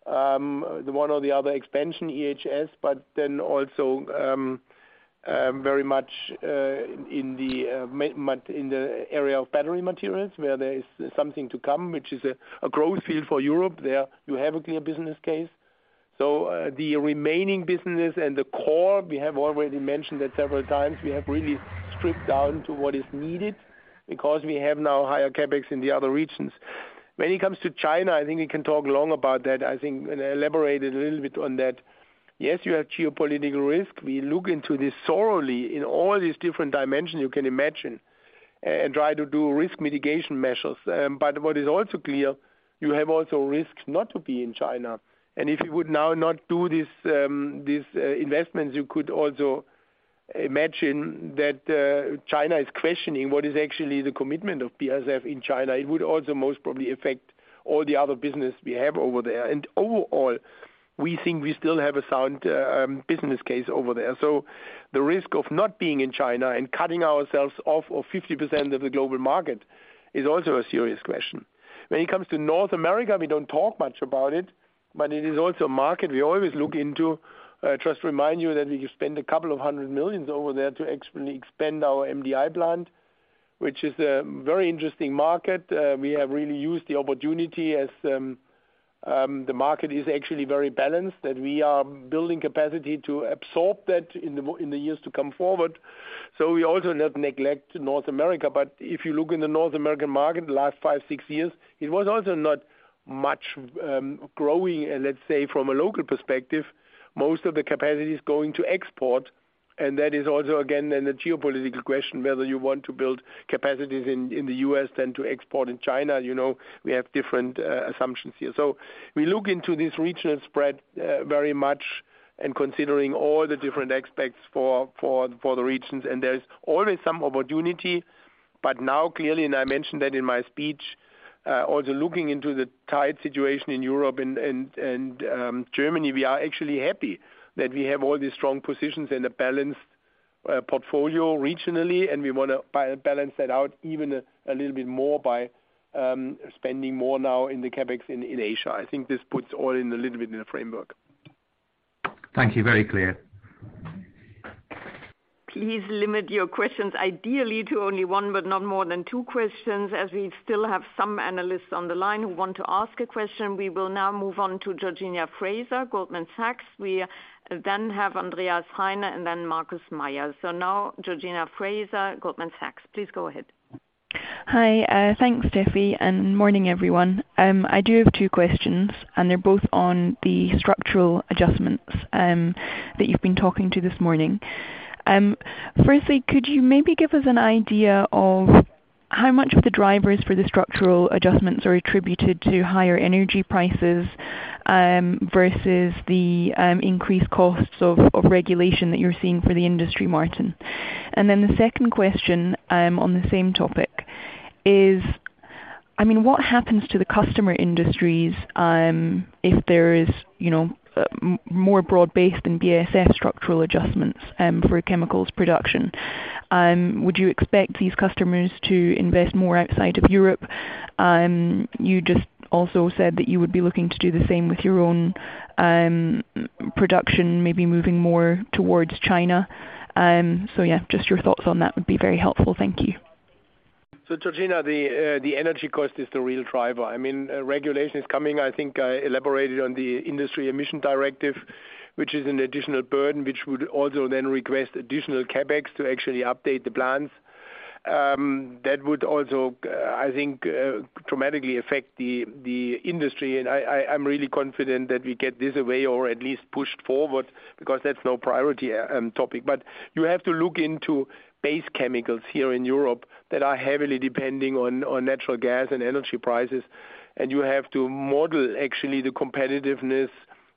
The one or the other expansion EHS, but then also, very much, in the area of battery materials where there is something to come, which is a growth field for Europe. There you have a clear business case. The remaining business and the core, we have already mentioned that several times, we have really stripped down to what is needed because we have now higher CapEx in the other regions. When it comes to China, I think we can talk long about that, I think, and elaborate a little bit on that. Yes, you have geopolitical risk. We look into this thoroughly in all these different dimensions you can imagine and try to do risk mitigation measures. What is also clear, you have also risks not to be in China. If you would now not do this investments, you could also imagine that China is questioning what is actually the commitment of BASF in China. It would also most probably affect all the other business we have over there. Overall, we think we still have a sound business case over there. The risk of not being in China and cutting ourselves off of 50% of the global market is also a serious question. When it comes to North America, we don't talk much about it, but it is also a market we always look into. Just remind you that we spend 200 million over there to actually expand our MDI plant, which is a very interesting market. We have really used the opportunity as the market is actually very balanced, that we are building capacity to absorb that in the years to come forward. We also not neglect North America, but if you look in the North American market the last 5, 6 years, it was also not much growing. Let's say from a local perspective, most of the capacity is going to export. That is also again, then the geopolitical question, whether you want to build capacities in the US rather than to export to China. You know, we have different assumptions here. We look into this regional spread very much and considering all the different aspects for the regions, and there's always some opportunity. Now clearly, and I mentioned that in my speech, also looking into the tight situation in Europe and Germany, we are actually happy that we have all these strong positions and a balanced portfolio regionally, and we wanna balance that out even a little bit more by spending more now in the CapEx in Asia. I think this puts all in a little bit in a framework. Thank you. Very clear. Please limit your questions ideally to only one, but not more than two questions as we still have some analysts on the line who want to ask a question. We will now move on to Georgina Fraser, Goldman Sachs. We then have Andreas Heine and then Markus Mayer. Now Georgina Fraser, Goldman Sachs, please go ahead. Hi, thanks, Steffi, and morning, everyone. I do have two questions, and they're both on the structural adjustments that you've been talking about this morning. Firstly, could you maybe give us an idea of how much of the drivers for the structural adjustments are attributed to higher energy prices versus the increased costs of regulation that you're seeing for the industry, Martin? The second question on the same topic is, I mean, what happens to the customer industries if there is more broad-based than BASF structural adjustments for chemicals production? Would you expect these customers to invest more outside of Europe? You just also said that you would be looking to do the same with your own production, maybe moving more towards China. Yeah, just your thoughts on that would be very helpful. Thank you. Georgina, the energy cost is the real driver. I mean, regulation is coming. I think I elaborated on the Industrial Emissions Directive, which is an additional burden, which would also then request additional CapEx to actually update the plants. That would also, I think, dramatically affect the industry. I'm really confident that we get this away or at least pushed forward because that's not a priority topic. You have to look into base chemicals here in Europe that are heavily depending on natural gas and energy prices, and you have to model actually the competitiveness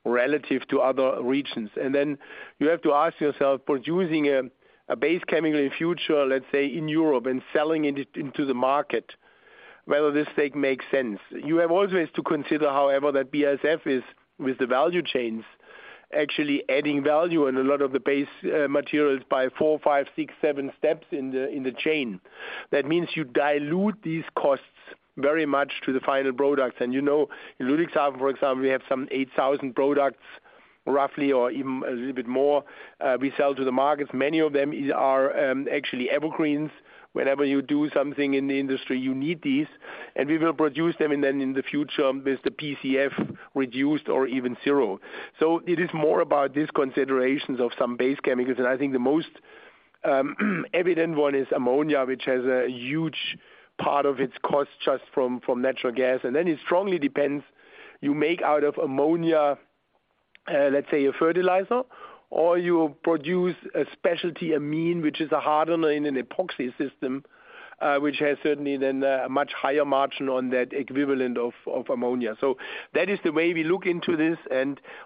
relative to other regions. Then you have to ask yourself, producing a base chemical in future, let's say in Europe and selling it into the market, whether this take makes sense. You have always to consider, however, that BASF is with the value chains, actually adding value and a lot of the base materials by 4, 5, 6, 7 steps in the chain. That means you dilute these costs very much to the final product. You know, in Ludwigshafen, for example, we have some 8,000 products roughly, or even a little bit more we sell to the markets. Many of them are actually evergreens. Whenever you do something in the industry, you need these, and we will produce them. Then in the future, with the PCF reduced or even zero. It is more about these considerations of some base chemicals. I think the most evident one is ammonia, which has a huge part of its cost just from natural gas. It strongly depends, you make out of Ammonia, let's say a fertilizer, or you produce a specialty amine, which is a hardener in an epoxy system, which has certainly then a much higher margin on that equivalent of Ammonia. That is the way we look into this.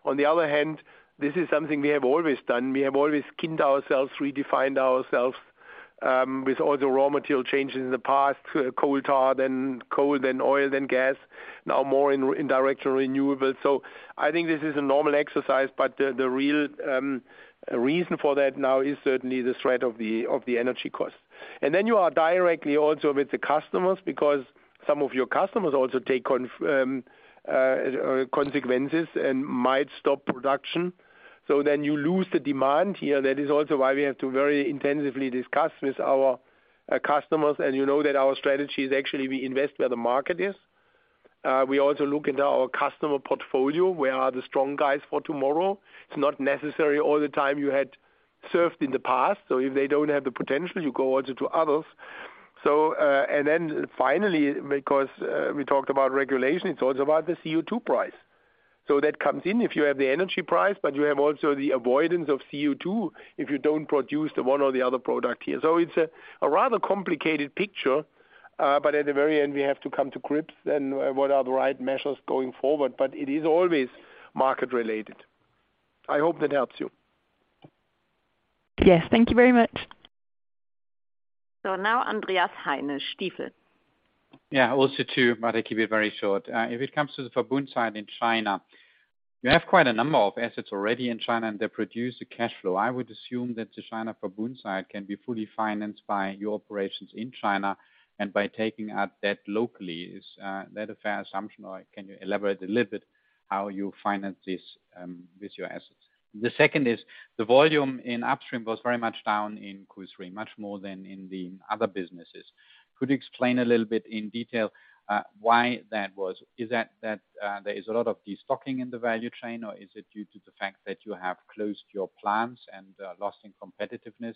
On the other hand, this is something we have always done. We have always skinned ourselves, redefined ourselves, with all the raw material changes in the past, coal tar, then coal, then oil, then gas, now more in direct renewables. I think this is a normal exercise, but the real reason for that now is certainly the threat of the energy costs. You are directly also with the customers because some of your customers also take consequences and might stop production. You lose the demand here. That is also why we have to very intensively discuss with our customers. You know that our strategy is actually we invest where the market is. We also look into our customer portfolio. Where are the strong guys for tomorrow? It's not necessary all the time you had served in the past, so if they don't have the potential, you go also to others. And then finally, because we talked about regulation, it's also about the CO2 price. That comes in if you have the energy price, but you have also the avoidance of CO2 if you don't produce the one or the other product here. It's a rather complicated picture, but at the very end, we have to come to grips then what are the right measures going forward. It is always market-related. I hope that helps you. Yes. Thank you very much. Now Andreas Heine, Stifel. Yeah. Also, two, but I keep it very short. If it comes to the Verbund site in China, you have quite a number of assets already in China, and they produce the cash flow. I would assume that the China Verbund site can be fully financed by your operations in China and by taking out debt locally. Is that a fair assumption, or can you elaborate a little bit how you finance this with your assets? The second is the volume in upstream was very much down in Q3, much more than in the other businesses. Could you explain a little bit in detail why that was? Is that there is a lot of de-stocking in the value chain, or is it due to the fact that you have closed your plants and lost in competitiveness?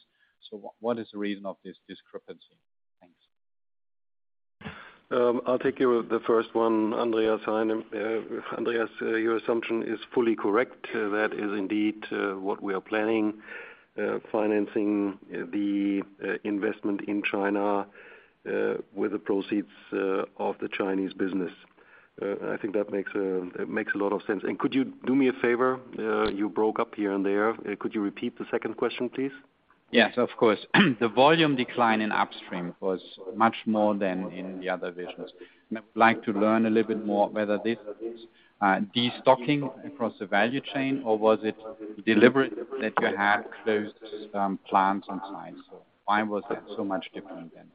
What is the reason of this discrepancy? Thanks. I'll take the first one, Andreas Heine. Andreas, your assumption is fully correct. That is indeed what we are planning, financing the investment in China with the proceeds of the Chinese business. I think that makes a lot of sense. Could you do me a favor? You broke up here and there. Could you repeat the second question, please? Yes, of course. The volume decline in upstream was much more than in the other divisions. I would like to learn a little bit more whether this de-stocking across the value chain or was it deliberate that you had closed plants on site. Why was that so much different than upstream?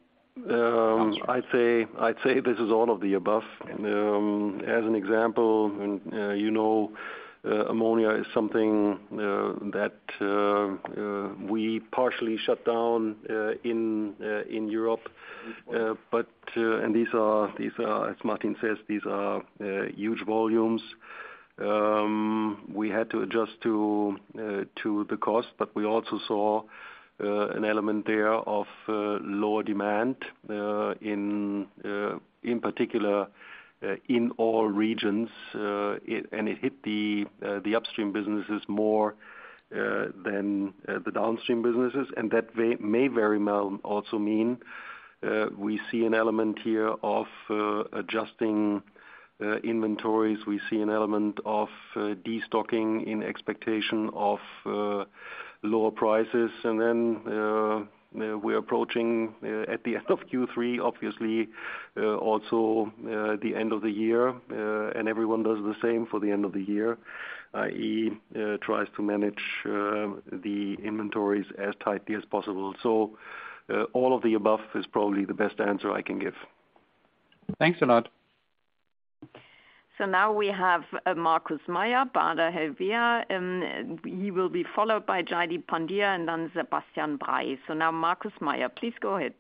I'd say this is all of the above. As an example, you know, Ammonia is something that we partially shut down in Europe. These are, as Martin says, huge volumes. We had to adjust to the cost, but we also saw an element there of lower demand in particular, in all regions. It hit the upstream businesses more than the downstream businesses. That may very well also mean we see an element here of adjusting inventories. We see an element of de-stocking in expectation of lower prices. Then we're approaching at the end of Q3, obviously also the end of the year, and everyone does the same for the end of the year, i.e., tries to manage the inventories as tightly as possible. All of the above is probably the best answer I can give. Thanks a lot. Now we have Markus Mayer, Baader Helvea, and he will be followed by Jaideep Pandya and then Sebastian. Now Markus Mayer please go ahead.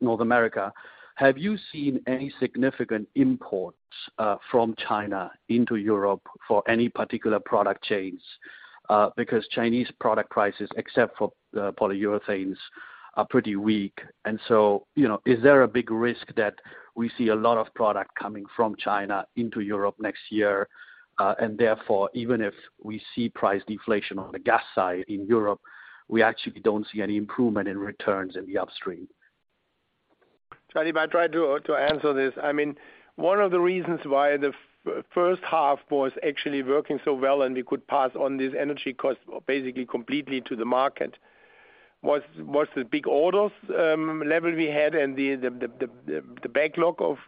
North America. Have you seen any significant imports from China into Europe for any particular product chains? Because Chinese product prices, except for polyurethanes, are pretty weak. You know, is there a big risk that we see a lot of product coming from China into Europe next year? And therefore, even if we see price deflation on the gas side in Europe, we actually don't see any improvement in returns in the upstream. Markus, if I try to answer this. I mean, one of the reasons why the first half was actually working so well and we could pass on this energy cost basically completely to the market was the big orders level we had and the backlog of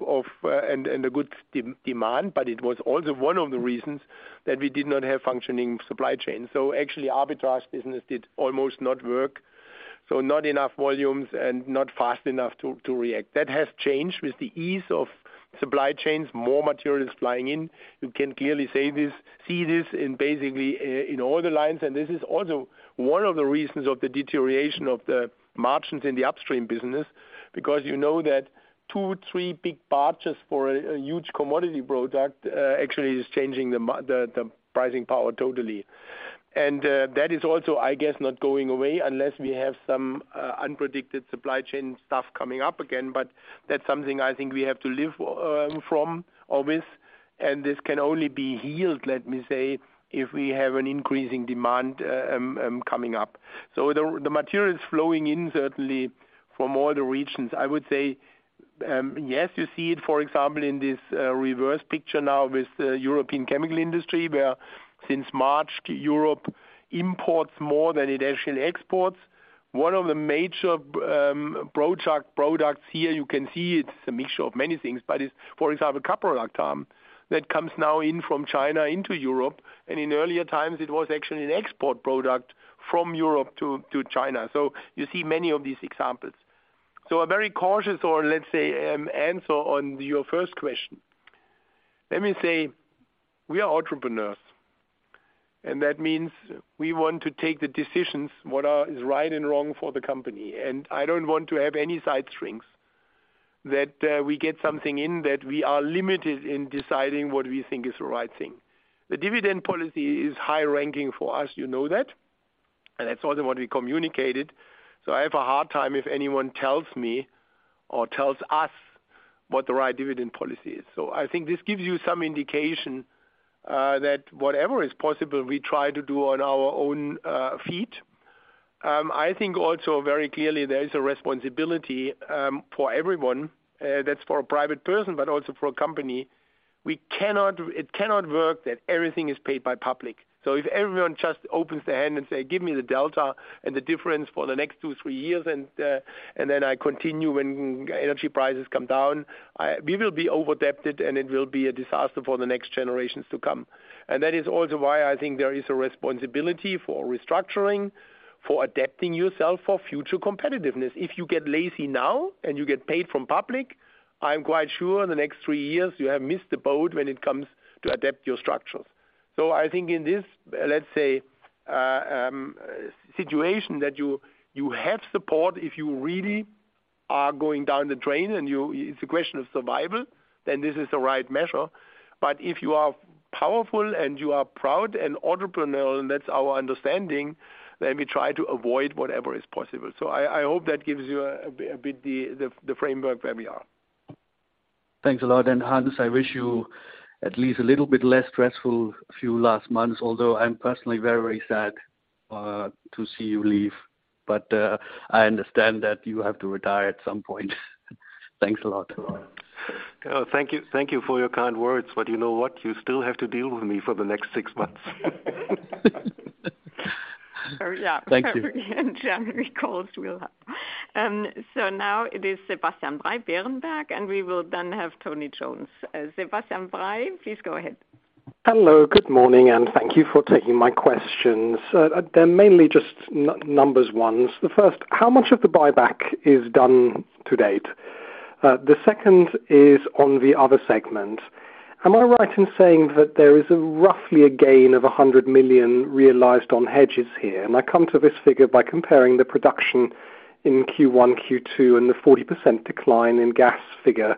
and the good demand. It was also one of the reasons that we did not have functioning supply chain. Actually, arbitrage business did almost not work, so not enough volumes and not fast enough to react. That has changed with the ease of supply chains, more materials flying in. You can clearly see this in basically all the lines, and this is also one of the reasons of the deterioration of the margins in the upstream business, because you know that 2-3 big barges for a huge commodity product actually is changing the pricing power totally. That is also, I guess, not going away unless we have some unpredicted supply chain stuff coming up again. That's something I think we have to live with, and this can only be healed, let me say, if we have an increasing demand coming up. The material is flowing in certainly from all the regions. I would say, yes, you see it, for example, in this, reverse picture now with the European chemical industry, where since March, Europe imports more than it actually exports. One of the major products here, you can see it's a mixture of many things, but it's, for example, Caprolactam that comes now in from China into Europe. In earlier times, it was actually an export product from Europe to China. You see many of these examples. A very cautious or let's say, answer on your first question. Let me say we are entrepreneurs, and that means we want to take the decisions what is right and wrong for the company. I don't want to have any strings that we get something in that we are limited in deciding what we think is the right thing. The dividend policy is high-ranking for us, you know that, and that's also what we communicated. I have a hard time if anyone tells me or tells us what the right dividend policy is. I think this gives you some indication, that whatever is possible, we try to do on our own feet. I think also very clearly there is a responsibility for everyone, that's for a private person, but also for a company. It cannot work that everything is paid by public. If everyone just opens their hand and say, "Give me the delta and the difference for the next two, three years," and then I continue when energy prices come down, we will be over-indebted and it will be a disaster for the next generations to come. That is also why I think there is a responsibility for restructuring, for adapting yourself for future competitiveness. If you get lazy now and you get paid from public, I'm quite sure in the next three years you have missed the boat when it comes to adapt your structures. I think in this, let's say, situation that you have support, if you really are going down the drain and you, it's a question of survival, then this is the right measure. If you are powerful and you are proud and entrepreneurial, and that's our understanding, then we try to avoid whatever is possible. I hope that gives you a bit the framework where we are. Thanks a lot. Hans, I wish you at least a little bit less stressful few last months, although I'm personally very sad to see you leave. I understand that you have to retire at some point. Thanks a lot. Thank you. Thank you for your kind words. You know what? You still have to deal with me for the next six months. Thank you. In January calls, we'll have Sebastian Bray, Berenberg, and we will then have Tony Jones. Sebastian Bray, please go ahead. Hello, good morning, and thank you for taking my questions. They're mainly just nitty-gritty ones. The first, how much of the buyback is done to date? The second is on the other segment. Am I right in saying that there is roughly a gain of 100 million realized on hedges here? I come to this figure by comparing the production in Q1, Q2, and the 40% decline in gas figure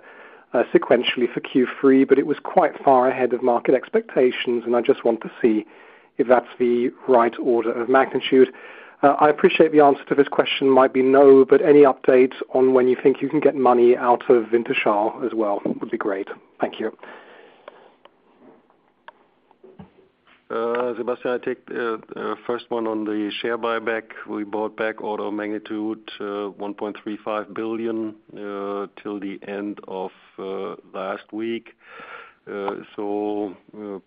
sequentially for Q3, but it was quite far ahead of market expectations, and I just want to see if that's the right order of magnitude. I appreciate the answer to this question might be no, but any update on when you think you can get money out of Wintershall Dea as well would be great. Thank you. Sebastian, I take first one on the share buyback. We bought back order of magnitude 1.35 billion till the end of last week.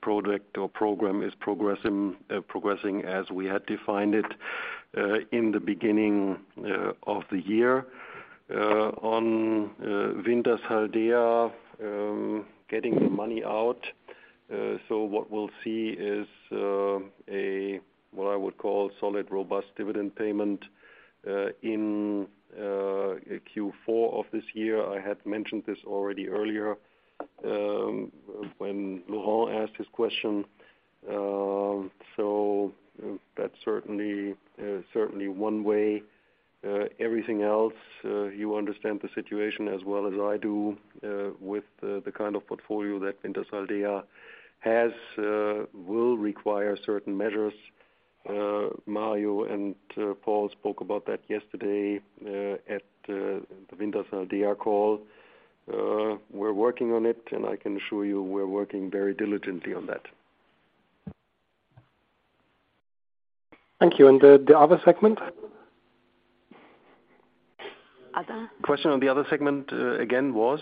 Project or program is progressing as we had defined it in the beginning of the year. On Wintershall Dea, getting the money out. What we'll see is a what I would call solid robust dividend payment in Q4 of this year. I had mentioned this already earlier. When Laurent asked his question, that's certainly one way. Everything else you understand the situation as well as I do with the kind of portfolio that Wintershall Dea has will require certain measures. Mario and Paul spoke about that yesterday at the Wintershall Dea call. We're working on it, and I can assure you we're working very diligently on that. Thank you. The other segment? Other? Question on the other segment, again was?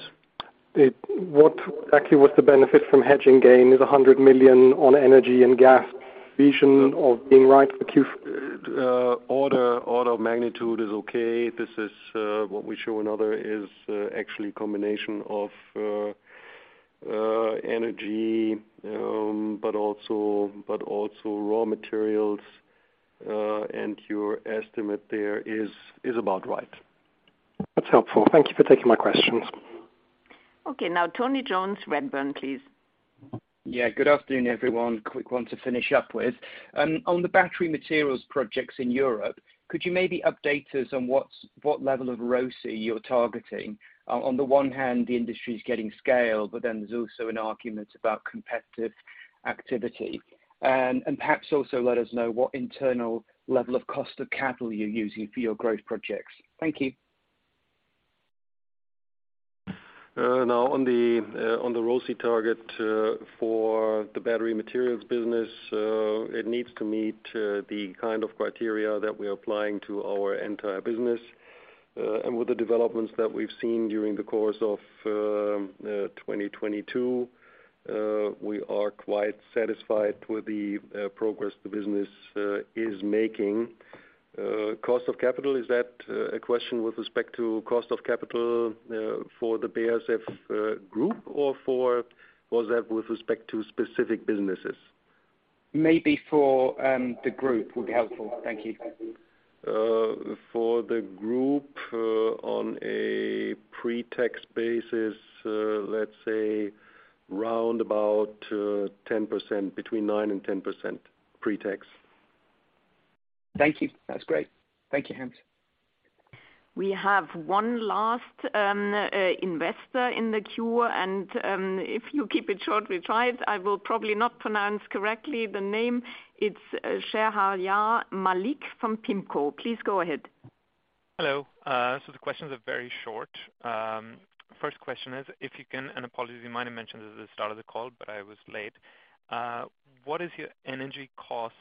What actually was the benefit from hedging gain is 100 million on energy and gas division EBITDA for Q- Order of magnitude is okay. This is what we show another is actually combination of energy but also raw materials. Your estimate there is about right. That's helpful. Thank you for taking my questions. Okay. Now Tony Jones, Redburn, please. Yeah. Good afternoon, everyone. Quick one to finish up with. On the battery materials projects in Europe, could you maybe update us on what level of ROCE you're targeting? On the one hand, the industry's getting scale, but then there's also an argument about competitive activity. Perhaps also let us know what internal level of cost of capital you're using for your growth projects. Thank you. Now on the ROCE target for the battery materials business, it needs to meet the kind of criteria that we're applying to our entire business. With the developments that we've seen during the course of 2022, we are quite satisfied with the progress the business is making. Cost of capital, is that a question with respect to cost of capital for the BASF Group? Was that with respect to specific businesses? Maybe for the group would be helpful. Thank you. For the group, on a pre-tax basis, let's say roundabout 10%. Between 9%-10% pre-tax. Thank you. That's great. Thank you, Hans. We have one last investor in the queue, and if you keep it short, we're tired. I will probably not pronounce correctly the name. It's Sheharyar Malik from PIMCO. Please go ahead. Hello. The questions are very short. First question is if you can, and apologies, you might have mentioned this at the start of the call, but I was late. What is your energy cost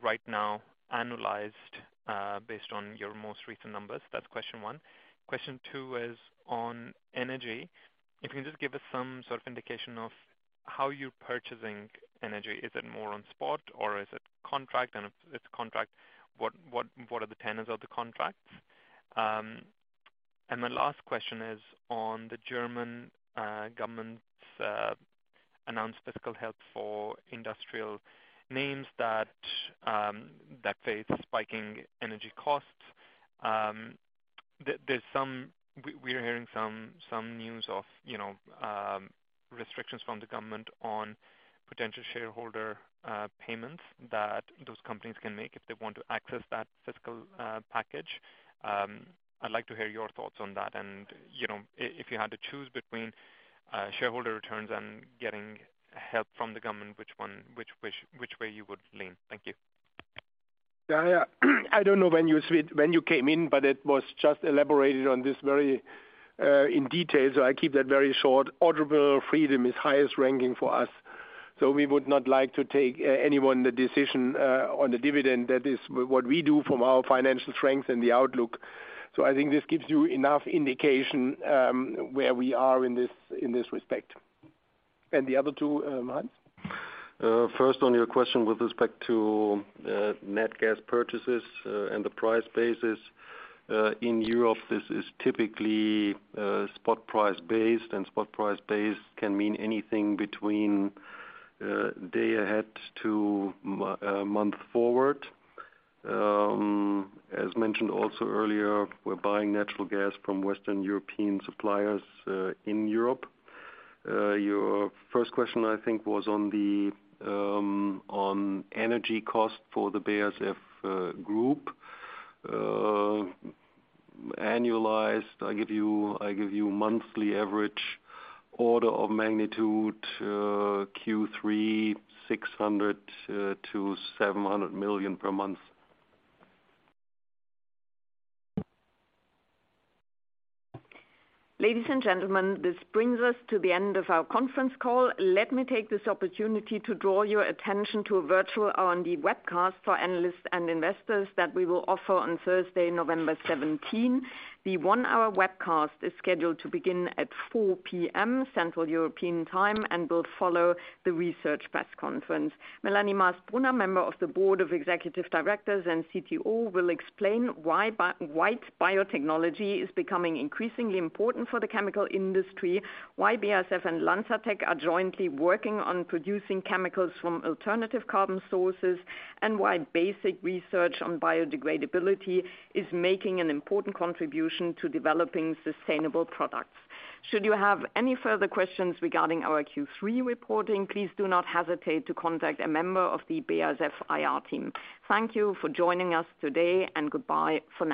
right now, annualized, based on your most recent numbers? That's question one. Question two is on energy. If you can just give us some sort of indication of how you're purchasing energy. Is it more on spot, or is it contract? And if it's a contract, what are the tenets of the contract? My last question is on the German government's announced fiscal help for industrial names that face spiking energy costs. We're hearing some news of, you know, restrictions from the government on potential shareholder payments that those companies can make if they want to access that fiscal package. I'd like to hear your thoughts on that. You know, if you had to choose between shareholder returns and getting help from the government, which way you would lean. Thank you. I don't know when you came in, but it was just elaborated on this very in detail, so I keep that very short. Operational freedom is highest ranking for us, so we would not like to take anyone the decision on the dividend. That is what we do from our financial strength and the outlook. I think this gives you enough indication where we are in this respect. The other two, Hans? First on your question with respect to net gas purchases and the price basis in Europe, this is typically spot price based, and spot price based can mean anything between day ahead to month forward. As mentioned also earlier, we're buying natural gas from Western European suppliers in Europe. Your first question, I think, was on energy cost for the BASF Group. Annualized, I give you monthly average order of magnitude, Q3, EUR 600 million-EUR 700 million per month. Ladies and gentlemen, this brings us to the end of our conference call. Let me take this opportunity to draw your attention to a virtual R&D webcast for analysts and investors that we will offer on Thursday, November 17. The 1-hour webcast is scheduled to begin at 4:00 P.M. Central European time and will follow the research press conference. Melanie Maas-Brunner, Member of the Board of Executive Directors and CTO, will explain why white biotechnology is becoming increasingly important for the chemical industry, why BASF and LanzaTech are jointly working on producing chemicals from alternative carbon sources, and why basic research on biodegradability is making an important contribution to developing sustainable products. Should you have any further questions regarding our Q3 reporting, please do not hesitate to contact a member of the BASF IR team. Thank you for joining us today, and goodbye for now.